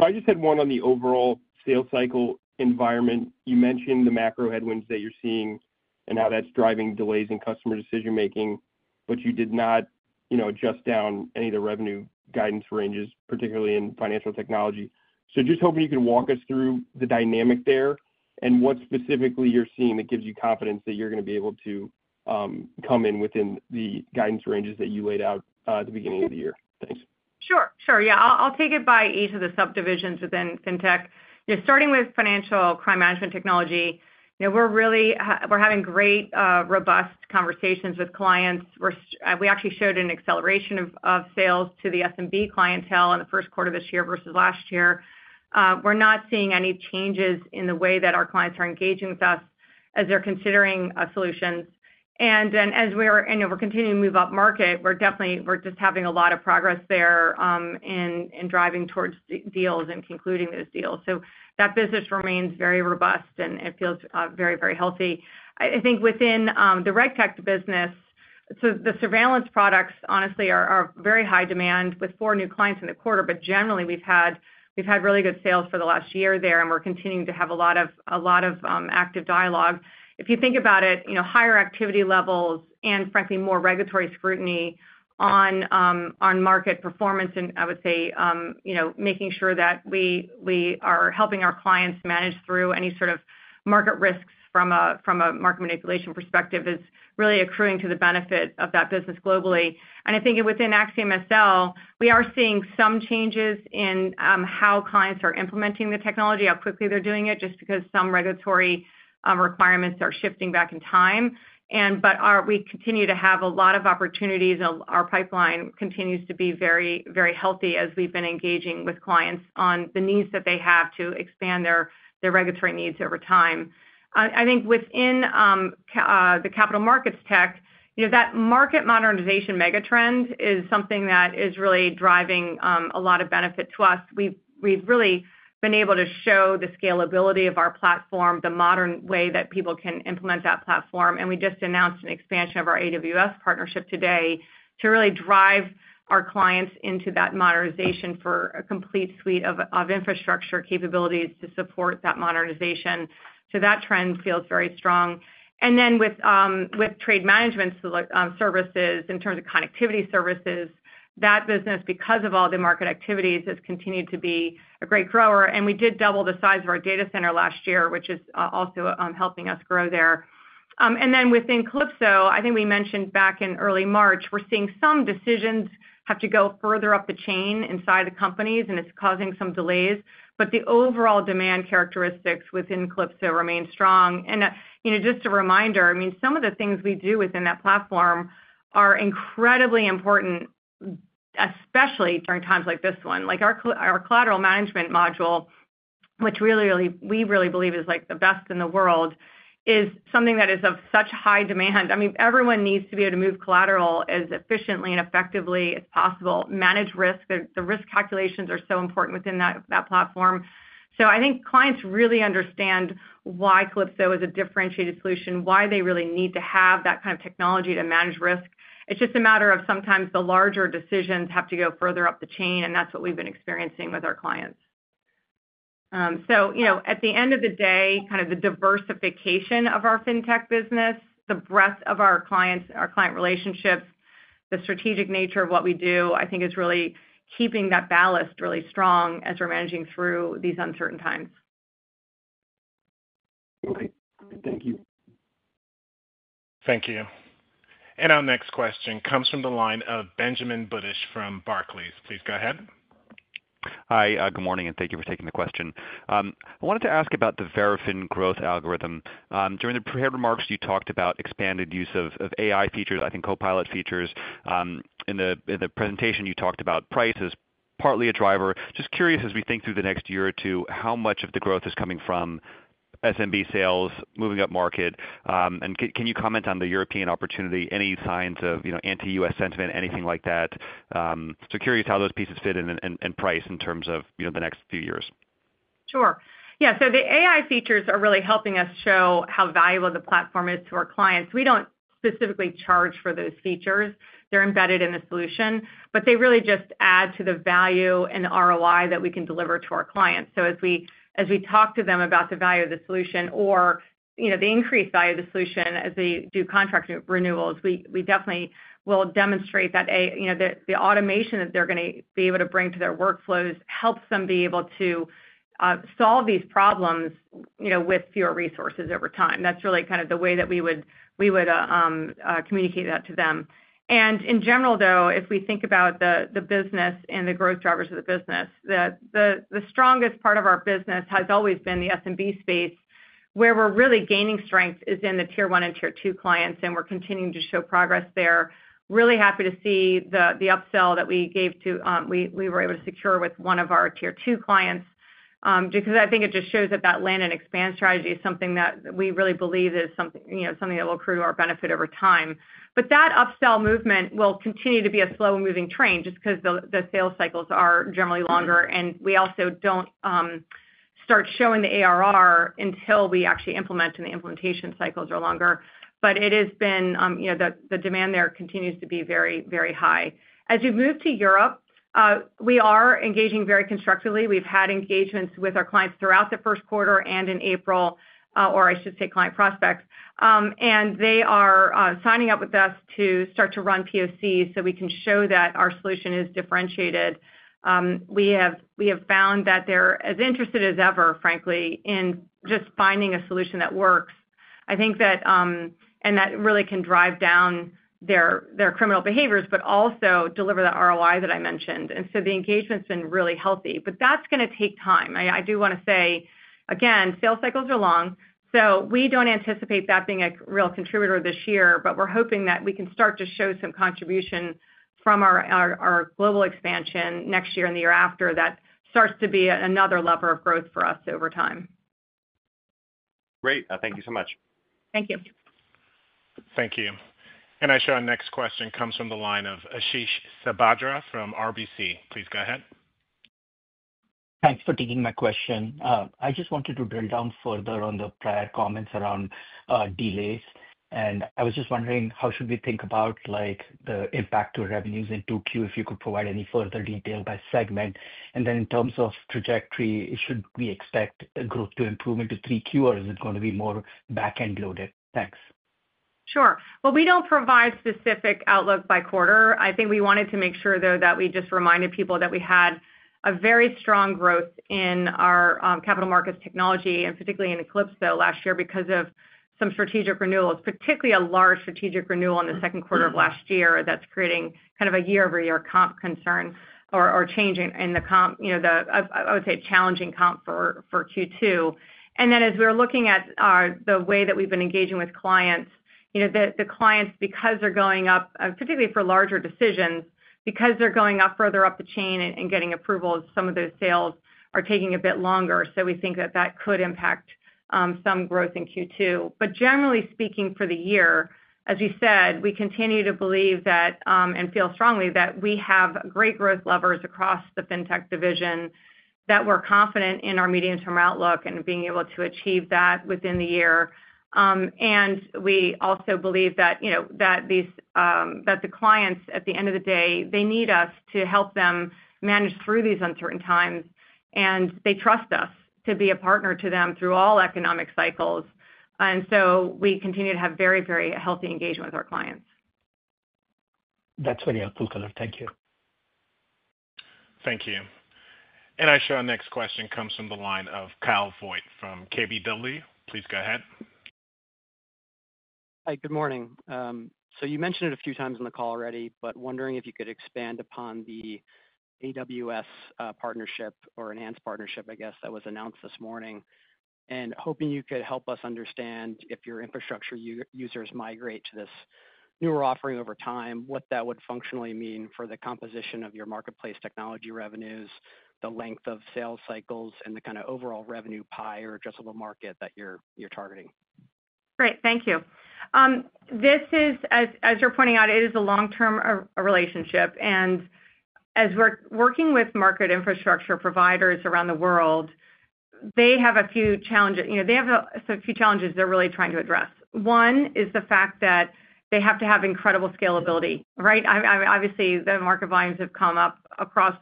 I just had one on the overall sales cycle environment. You mentioned the macro headwinds that you're seeing and how that's driving delays in customer decision-making, but you did not adjust down any of the revenue guidance ranges, particularly in financial technology. Just hoping you could walk us through the dynamic there and what specifically you're seeing that gives you confidence that you're going to be able to come in within the guidance ranges that you laid out at the beginning of the year. Thanks. Sure. Yeah. I'll take it by each of the subdivisions within FinTech. Starting with financial crime management technology, we're having great, robust conversations with clients. We actually showed an acceleration of sales to the SMB clientele in the Q1 of this year versus last year. We're not seeing any changes in the way that our clients are engaging with us as they're considering solutions. As we're continuing to move up market, we're definitely just having a lot of progress there in driving towards deals and concluding those deals. That business remains very robust and feels very, very healthy. I think within the RegTech business, the surveillance products, honestly, are very high demand with four new clients in the quarter, but generally, we've had really good sales for the last year there, and we're continuing to have a lot of active dialogue. If you think about it, higher activity levels and, frankly, more regulatory scrutiny on market performance and, I would say, making sure that we are helping our clients manage through any sort of market risks from a market manipulation perspective is really accruing to the benefit of that business globally. I think within AxiomSL, we are seeing some changes in how clients are implementing the technology, how quickly they're doing it, just because some regulatory requirements are shifting back in time. We continue to have a lot of opportunities, and our pipeline continues to be very, very healthy as we've been engaging with clients on the needs that they have to expand their regulatory needs over time. I think within the capital markets tech, that market modernization mega trend is something that is really driving a lot of benefit to us. We've really been able to show the scalability of our platform, the modern way that people can implement that platform. We just announced an expansion of our AWS partnership today to really drive our clients into that modernization for a complete suite of infrastructure capabilities to support that modernization. That trend feels very strong. With trade management services in terms of connectivity services, that business, because of all the market activities, has continued to be a great grower. We did double the size of our data center last year, which is also helping us grow there. Within Calypso, I think we mentioned back in early March, we're seeing some decisions have to go further up the chain inside the companies, and it's causing some delays. The overall demand characteristics within Calypso remain strong. Just a reminder, I mean, some of the things we do within that platform are incredibly important, especially during times like this one. Our collateral management module, which we really believe is the best in the world, is something that is of such high demand. I mean, everyone needs to be able to move collateral as efficiently and effectively as possible, manage risk. The risk calculations are so important within that platform. I think clients really understand why Calypso is a differentiated solution, why they really need to have that kind of technology to manage risk. It's just a matter of sometimes the larger decisions have to go further up the chain, and that's what we've been experiencing with our clients. At the end of the day, kind of the diversification of our FinTech business, the breadth of our clients, our client relationships, the strategic nature of what we do, I think is really keeping that ballast really strong as we're managing through these uncertain times. Thank you. Thank you. Our next question comes from the line of Benjamin Budish from Barclays. Please go ahead. Hi, good morning, and thank you for taking the question. I wanted to ask about the Verafin growth algorithm. During the prepared remarks, you talked about expanded use of AI features, I think Copilot features. In the presentation, you talked about price as partly a driver. Just curious, as we think through the next year or two, how much of the growth is coming from S&B sales, moving up market? Can you comment on the European opportunity?. Any signs of anti-U.S. sentiment, anything like that? Curious how those pieces fit in price in terms of the next few years. Sure. Yeah. The AI features are really helping us show how valuable the platform is to our clients. We do not specifically charge for those features. They are embedded in the solution, but they really just add to the value and ROI that we can deliver to our clients. As we talk to them about the value of the solution or the increased value of the solution as we do contract renewals, we definitely will demonstrate that the automation that they're going to be able to bring to their workflows helps them be able to solve these problems with fewer resources over time. That's really kind of the way that we would communicate that to them. In general, though, if we think about the business and the growth drivers of the business, the strongest part of our business has always been the S&B space. Where we're really gaining strength is in the tier one and tier two clients, and we're continuing to show progress there. Really happy to see the upsell that we were able to secure with one of our tier two clients because I think it just shows that that land and expand strategy is something that we really believe is something that will accrue to our benefit over time. That upsell movement will continue to be a slow-moving train just because the sales cycles are generally longer, and we also do not start showing the ARR until we actually implement, and the implementation cycles are longer. It has been the demand there continues to be very, very high. As we move to Europe, we are engaging very constructively. We have had engagements with our clients throughout the Q1 and in April, or I should say client prospects. They are signing up with us to start to run POCs so we can show that our solution is differentiated. We have found that they're as interested as ever, frankly, in just finding a solution that works. I think that really can drive down their criminal behaviors, but also deliver the ROI that I mentioned. The engagement's been really healthy. That is going to take time. I do want to say, again, sales cycles are long. We do not anticipate that being a real contributor this year, but we are hoping that we can start to show some contribution from our global expansion next year and the year after that starts to be another lever of growth for us over time. Great. Thank you so much. Thank you. Thank you. I show our next question comes from the line of Ashish Sabadra from RBC. Please go ahead. Thanks for taking my question. I just wanted to drill down further on the prior comments around delays. I was just wondering how should we think about the impact to revenues in 2Q if you could provide any further detail by segment. In terms of trajectory, should we expect growth to improve into 3Q, or is it going to be more back-end loaded? Thanks. Sure. We do not provide specific outlook by quarter. I think we wanted to make sure, though, that we just reminded people that we had very strong growth in our capital markets technology, and particularly in Calypso last year because of some strategic renewals, particularly a large strategic renewal in the Q2 of last year that is creating kind of a year-over-year comp concern or change in the comp, I would say challenging comp for Q2. As we were looking at the way that we've been engaging with clients, the clients, because they're going up, particularly for larger decisions, because they're going up further up the chain and getting approvals, some of those sales are taking a bit longer. We think that that could impact some growth in Q2. Generally speaking for the year, as we said, we continue to believe that and feel strongly that we have great growth levers across the FinTech division, that we're confident in our medium-term outlook and being able to achieve that within the year. We also believe that the clients, at the end of the day, they need us to help them manage through these uncertain times, and they trust us to be a partner to them through all economic cycles. We continue to have very, very healthy engagement with our clients. That's very helpful, Collette. Thank you. Thank you. I show our next question comes from the line of Kyle Voigt from KBW. Please go ahead. Hi, good morning. You mentioned it a few times in the call already, but wondering if you could expand upon the AWS partnership or enhanced partnership, I guess, that was announced this morning. Hoping you could help us understand if your infrastructure users migrate to this newer offering over time, what that would functionally mean for the composition of your marketplace technology revenues, the length of sales cycles, and the kind of overall revenue pie or addressable market that you're targeting. Great. Thank you. This is, as you're pointing out, a long-term relationship. As we're working with market infrastructure providers around the world, they have a few challenges. They have a few challenges they're really trying to address. One is the fact that they have to have incredible scalability, right? Obviously, the market volumes have come up across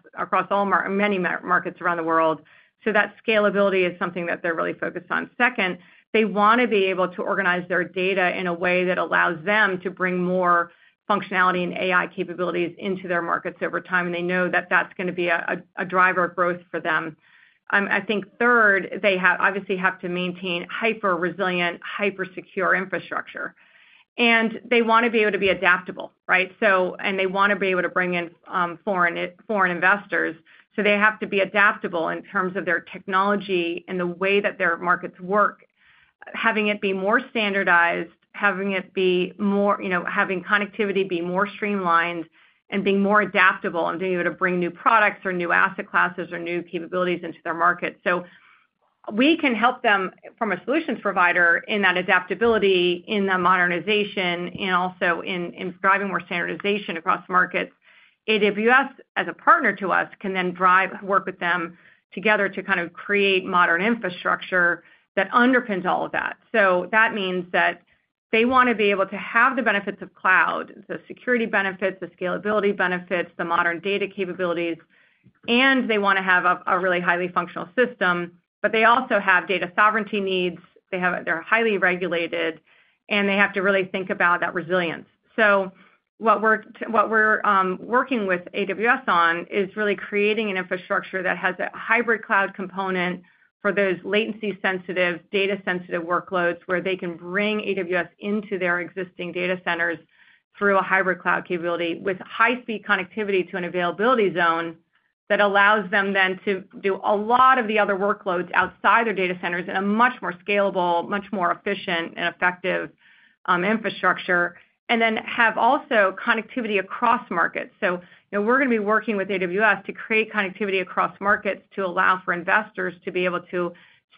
many markets around the world. That scalability is something that they're really focused on. Second, they want to be able to organize their data in a way that allows them to bring more functionality and AI capabilities into their markets over time, and they know that that's going to be a driver of growth for them. I think third, they obviously have to maintain hyper-resilient, hypersecure infrastructure. They want to be able to be adaptable, right? They want to be able to bring in foreign investors. They have to be adaptable in terms of their technology and the way that their markets work, having it be more standardized, having connectivity be more streamlined and being more adaptable and being able to bring new products or new asset classes or new capabilities into their market. We can help them from a solutions provider in that adaptability, in the modernization, and also in driving more standardization across markets. AWS, as a partner to us, can then work with them together to kind of create modern infrastructure that underpins all of that. That means that they want to be able to have the benefits of cloud, the security benefits, the scalability benefits, the modern data capabilities, and they want to have a really highly functional system, but they also have data sovereignty needs. They're highly regulated, and they have to really think about that resilience. What we're working with AWS on is really creating an infrastructure that has a hybrid cloud component for those latency-sensitive, data-sensitive workloads where they can bring AWS into their existing data centers through a hybrid cloud capability with high-speed connectivity to an availability zone that allows them then to do a lot of the other workloads outside their data centers in a much more scalable, much more efficient and effective infrastructure, and then have also connectivity across markets. We're going to be working with AWS to create connectivity across markets to allow for investors to be able to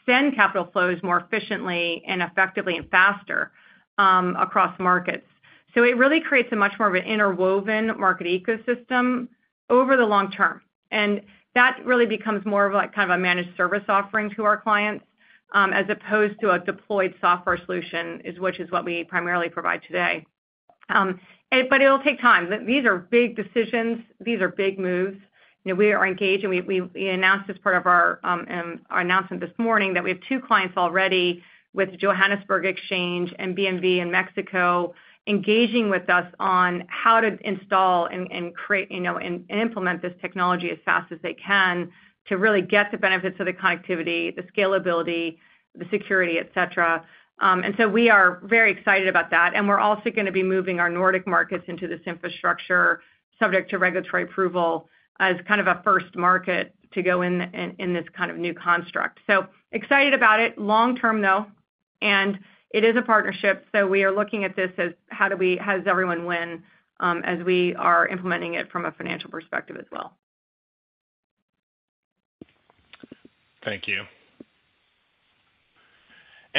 send capital flows more efficiently and effectively and faster across markets. It really creates much more of an interwoven market ecosystem over the long term. That really becomes more of kind of a managed service offering to our clients as opposed to a deployed software solution, which is what we primarily provide today. It'll take time. These are big decisions. These are big moves. We are engaged. We announced as part of our announcement this morning that we have two clients already with Johannesburg Stock Exchange and BMV in Mexico engaging with us on how to install and create and implement this technology as fast as they can to really get the benefits of the connectivity, the scalability, the security, etc. We are very excited about that. We are also going to be moving our Nordic markets into this infrastructure subject to regulatory approval as kind of a first market to go in this kind of new construct. Excited about it long term, though. It is a partnership. We are looking at this as how do we have everyone win as we are implementing it from a financial perspective as well. Thank you.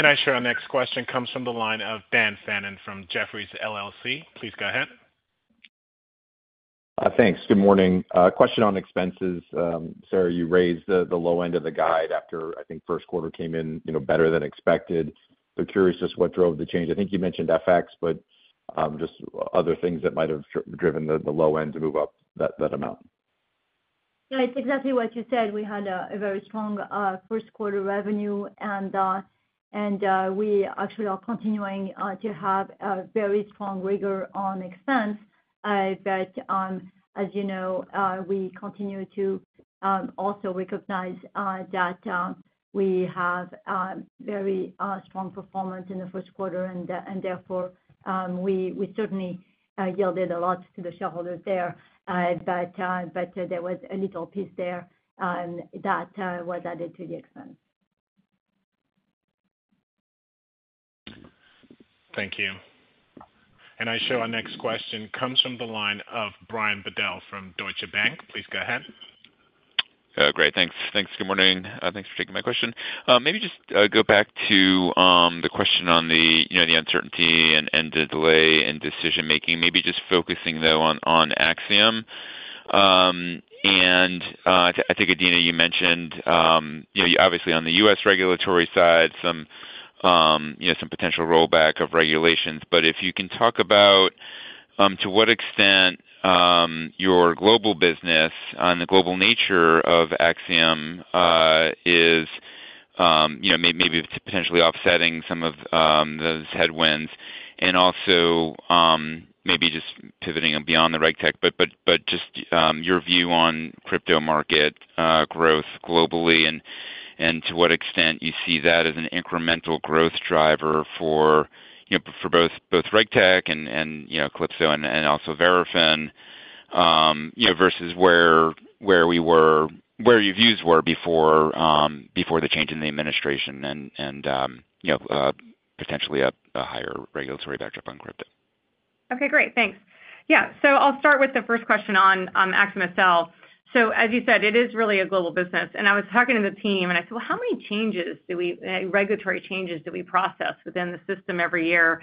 I show our next question comes from the line of Dan Fannon from Jefferies. Please go ahead. Thanks. Good morning. Question on expenses. You raised the low end of the guide after, I think, Q1 came in better than expected. Curious just what drove the change. I think you mentioned FX, but just other things that might have driven the low end to move up that amount. Yeah, it's exactly what you said. We had a very strong Q1 revenue, and we actually are continuing to have a very strong rigor on expense. As you know, we continue to also recognize that we have very strong performance in the Q1, and therefore, we certainly yielded a lot to the shareholders there. There was a little piece there that was added to the expense. Thank you. I show our next question comes from the line of Brian Bedell from Deutsche Bank. Please go ahead. Great. Thanks. Thanks. Good morning. Thanks for taking my question. Maybe just go back to the question on the uncertainty and the delay in decision-making. Maybe just focusing, though, on AxiomSL. I think, Adena, you mentioned obviously on the U.S. regulatory side, some potential rollback of regulations. If you can talk about to what extent your global business and the global nature of AxiomSL is maybe potentially offsetting some of those headwinds and also maybe just pivoting beyond the reg tech, but just your view on crypto market growth globally and to what extent you see that as an incremental growth driver for both reg tech and Calypso and also Verafin versus where your views were before the change in the administration and potentially a higher regulatory backdrop on crypto. Okay. Great. Thanks. Yeah. I'll start with the first question on AxiomSL itself. As you said, it is really a global business. I was talking to the team, and I said, "How many regulatory changes do we process within the system every year?"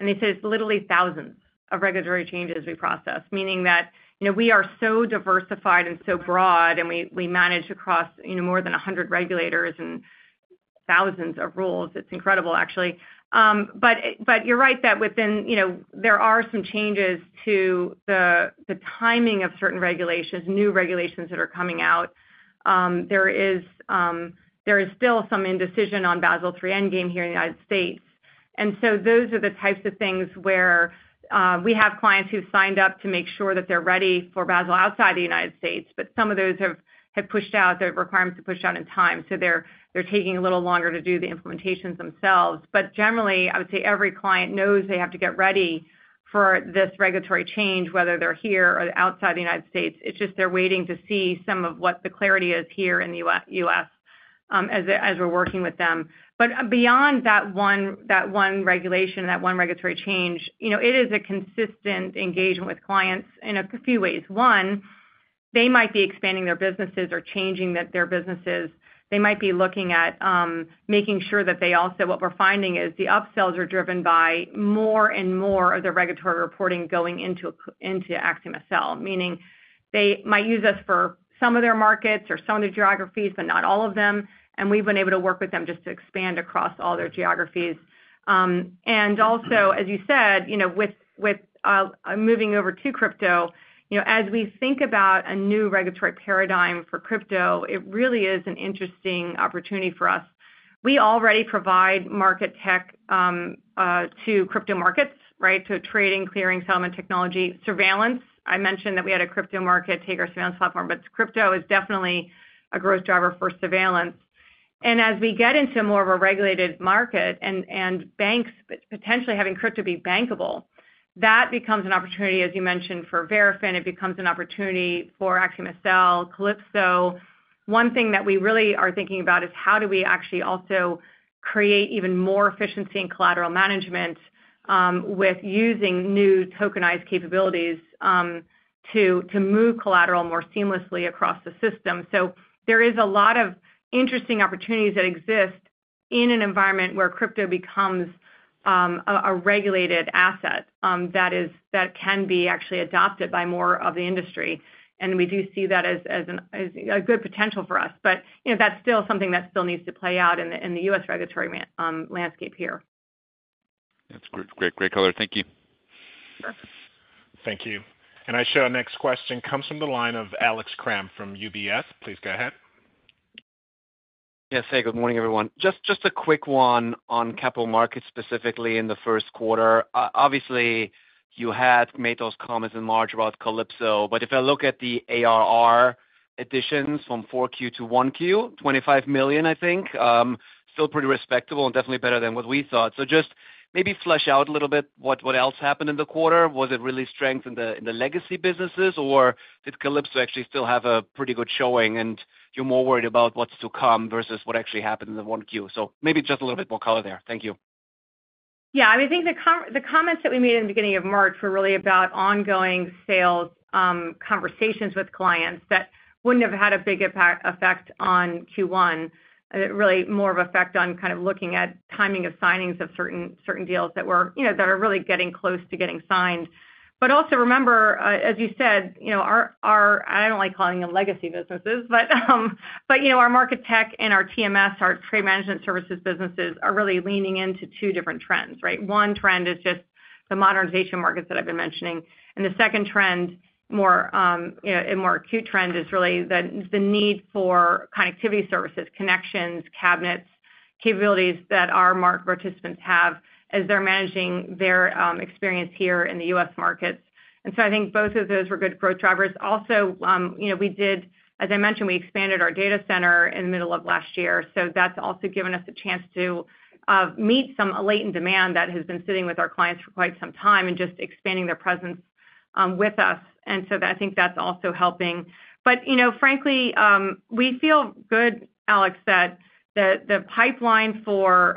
They said, "It's literally thousands of regulatory changes we process," meaning that we are so diversified and so broad, and we manage across more than 100 regulators and thousands of rules. It's incredible, actually. You're right that there are some changes to the timing of certain regulations, new regulations that are coming out. There is still some indecision on Basel III endgame here in the United States. Those are the types of things where we have clients who signed up to make sure that they're ready for Basel outside the United States, but some of those have requirements to push out in time. They're taking a little longer to do the implementations themselves. Generally, I would say every client knows they have to get ready for this regulatory change, whether they're here or outside the United States. It's just they're waiting to see some of what the clarity is here in the U.S. as we're working with them. Beyond that one regulation, that one regulatory change, it is a consistent engagement with clients in a few ways. One, they might be expanding their businesses or changing their businesses. They might be looking at making sure that they also, what we're finding is the upsells are driven by more and more of the regulatory reporting going into AxiomSL itself, meaning they might use us for some of their markets or some of the geographies, but not all of them. We've been able to work with them just to expand across all their geographies. Also, as you said, with moving over to crypto, as we think about a new regulatory paradigm for crypto, it really is an interesting opportunity for us. We already provide market tech to crypto markets, right? Trading, clearing, settlement technology, surveillance. I mentioned that we had a crypto market, Tegra Surveillance Platform, but crypto is definitely a growth driver for surveillance. As we get into more of a regulated market and banks potentially having crypto be bankable, that becomes an opportunity, as you mentioned, for Verafin. It becomes an opportunity for AxiomSL itself, Calypso. One thing that we really are thinking about is how do we actually also create even more efficiency and collateral management with using new tokenized capabilities to move collateral more seamlessly across the system. There is a lot of interesting opportunities that exist in an environment where crypto becomes a regulated asset that can be actually adopted by more of the industry. We do see that as a good potential for us. That is still something that still needs to play out in the U.S. regulatory landscape here. That is great. Great, Collette. Thank you. Thank you. I show our next question comes from the line of Alex Kramm from UBS. Please go ahead. Yes. Hey, good morning, everyone. Just a quick one on capital markets specifically in the Q1. Obviously, you had made those comments in March about Calypso, but if I look at the ARR additions from Q4 to Q1, $25 million, I think, still pretty respectable and definitely better than what we thought. Just maybe flesh out a little bit what else happened in the quarter. Was it really strength in the legacy businesses, or did Calypso actually still have a pretty good showing, and you're more worried about what's to come versus what actually happened in the 1Q? Maybe just a little bit more color there. Thank you. Yeah. I mean, I think the comments that we made in the beginning of March were really about ongoing sales conversations with clients that would not have had a big effect on Q1, really more of an effect on kind of looking at timing of signings of certain deals that are really getting close to getting signed. Also remember, as you said, our—I do not like calling them legacy businesses—but our market tech and our TMS, our trade management services businesses, are really leaning into two different trends, right? One trend is just the modernization markets that I have been mentioning. The second trend, a more acute trend, is really the need for connectivity services, connections, cabinets, capabilities that our market participants have as they're managing their experience here in the U.S. markets. I think both of those were good growth drivers. Also, as I mentioned, we expanded our data center in the middle of last year. That has also given us a chance to meet some latent demand that has been sitting with our clients for quite some time and just expanding their presence with us. I think that's also helping. Frankly, we feel good, Alex, that the pipeline for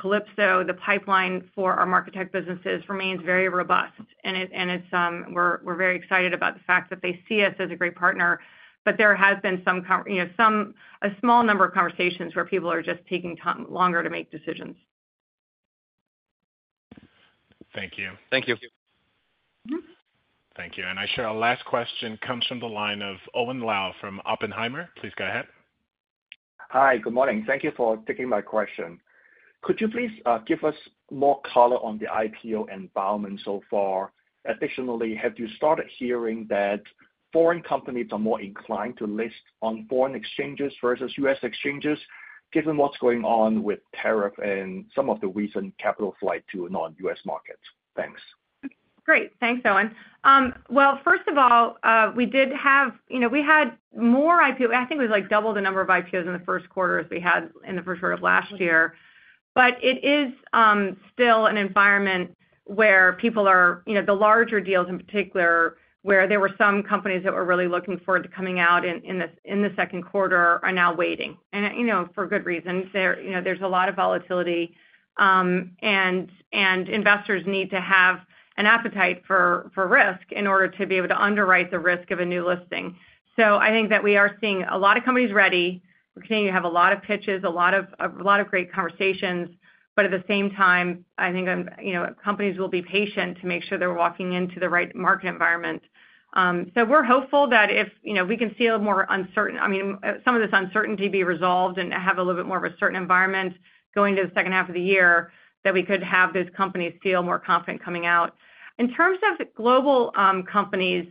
Calypso, the pipeline for our market tech businesses, remains very robust. We are very excited about the fact that they see us as a great partner. There has been a small number of conversations where people are just taking longer to make decisions. Thank you. Thank you. Thank you. I show our last question comes from the line of Owen Lau from Oppenheimer. Please go ahead. Hi. Good morning. Thank you for taking my question. Could you please give us more color on the IPO and Baumann so far? Additionally, have you started hearing that foreign companies are more inclined to list on foreign exchanges versus U.S. exchanges, given what's going on with tariff and some of the recent capital flight to non-U.S. markets?. Thanks. Great. Thanks, Owen. First of all, we we had more IPO. I think it was like double the number of IPOs in the Q1 as we had in the Q1 of last year. It is still an environment where people the larger deals, in particular, where there were some companies that were really looking forward to coming out in the Q2, are now waiting. For good reason. There is a lot of volatility. Investors need to have an appetite for risk in order to be able to underwrite the risk of a new listing. I think that we are seeing a lot of companies ready. We continue to have a lot of pitches, a lot of great conversations. At the same time, I think companies will be patient to make sure they are walking into the right market environment. We're hopeful that if we can see a little more uncertain i mean, some of this uncertainty be resolved and have a little bit more of a certain environment going into the second half of the year, that we could have those companies feel more confident coming out. In terms of global companies,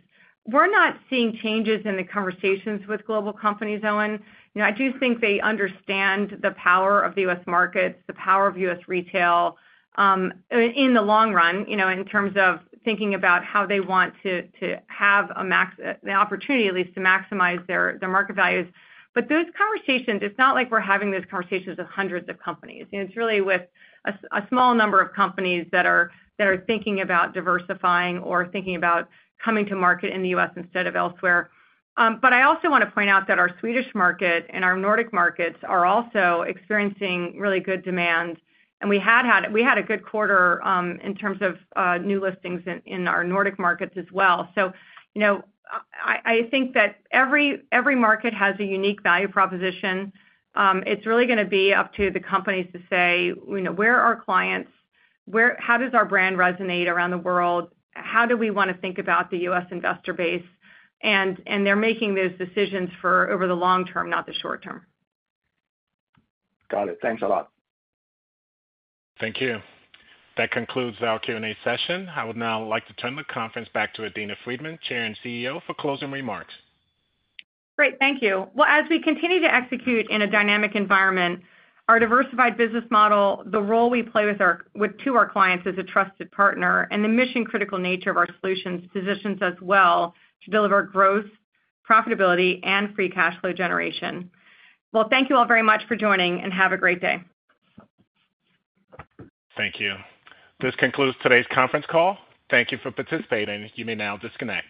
we're not seeing changes in the conversations with global companies, Owen. I do think they understand the power of the U.S. markets, the power of U.S. retail in the long run in terms of thinking about how they want to have the opportunity, at least, to maximize their market values. Those conversations, it's not like we're having those conversations with hundreds of companies. It's really with a small number of companies that are thinking about diversifying or thinking about coming to market in the U.S. instead of elsewhere. I also want to point out that our Swedish market and our Nordic markets are also experiencing really good demand. We had a good quarter in terms of new listings in our Nordic markets as well. I think that every market has a unique value proposition. It's really going to be up to the companies to say, "Where are our clients? How does our brand resonate around the world? How do we want to think about the U.S. investor base?" They're making those decisions for over the long term, not the short term. Got it. Thanks a lot. Thank you. That concludes our Q&A session. I would now like to turn the conference back to Adena Friedman, Chair and CEO, for closing remarks. Great. Thank you. As we continue to execute in a dynamic environment, our diversified business model, the role we play to our clients as a trusted partner, and the mission-critical nature of our solutions positions us well to deliver growth, profitability, and free cash flow generation. Thank you all very much for joining, and have a great day. Thank you. This concludes today's conference call. Thank you for participating. You may now disconnect.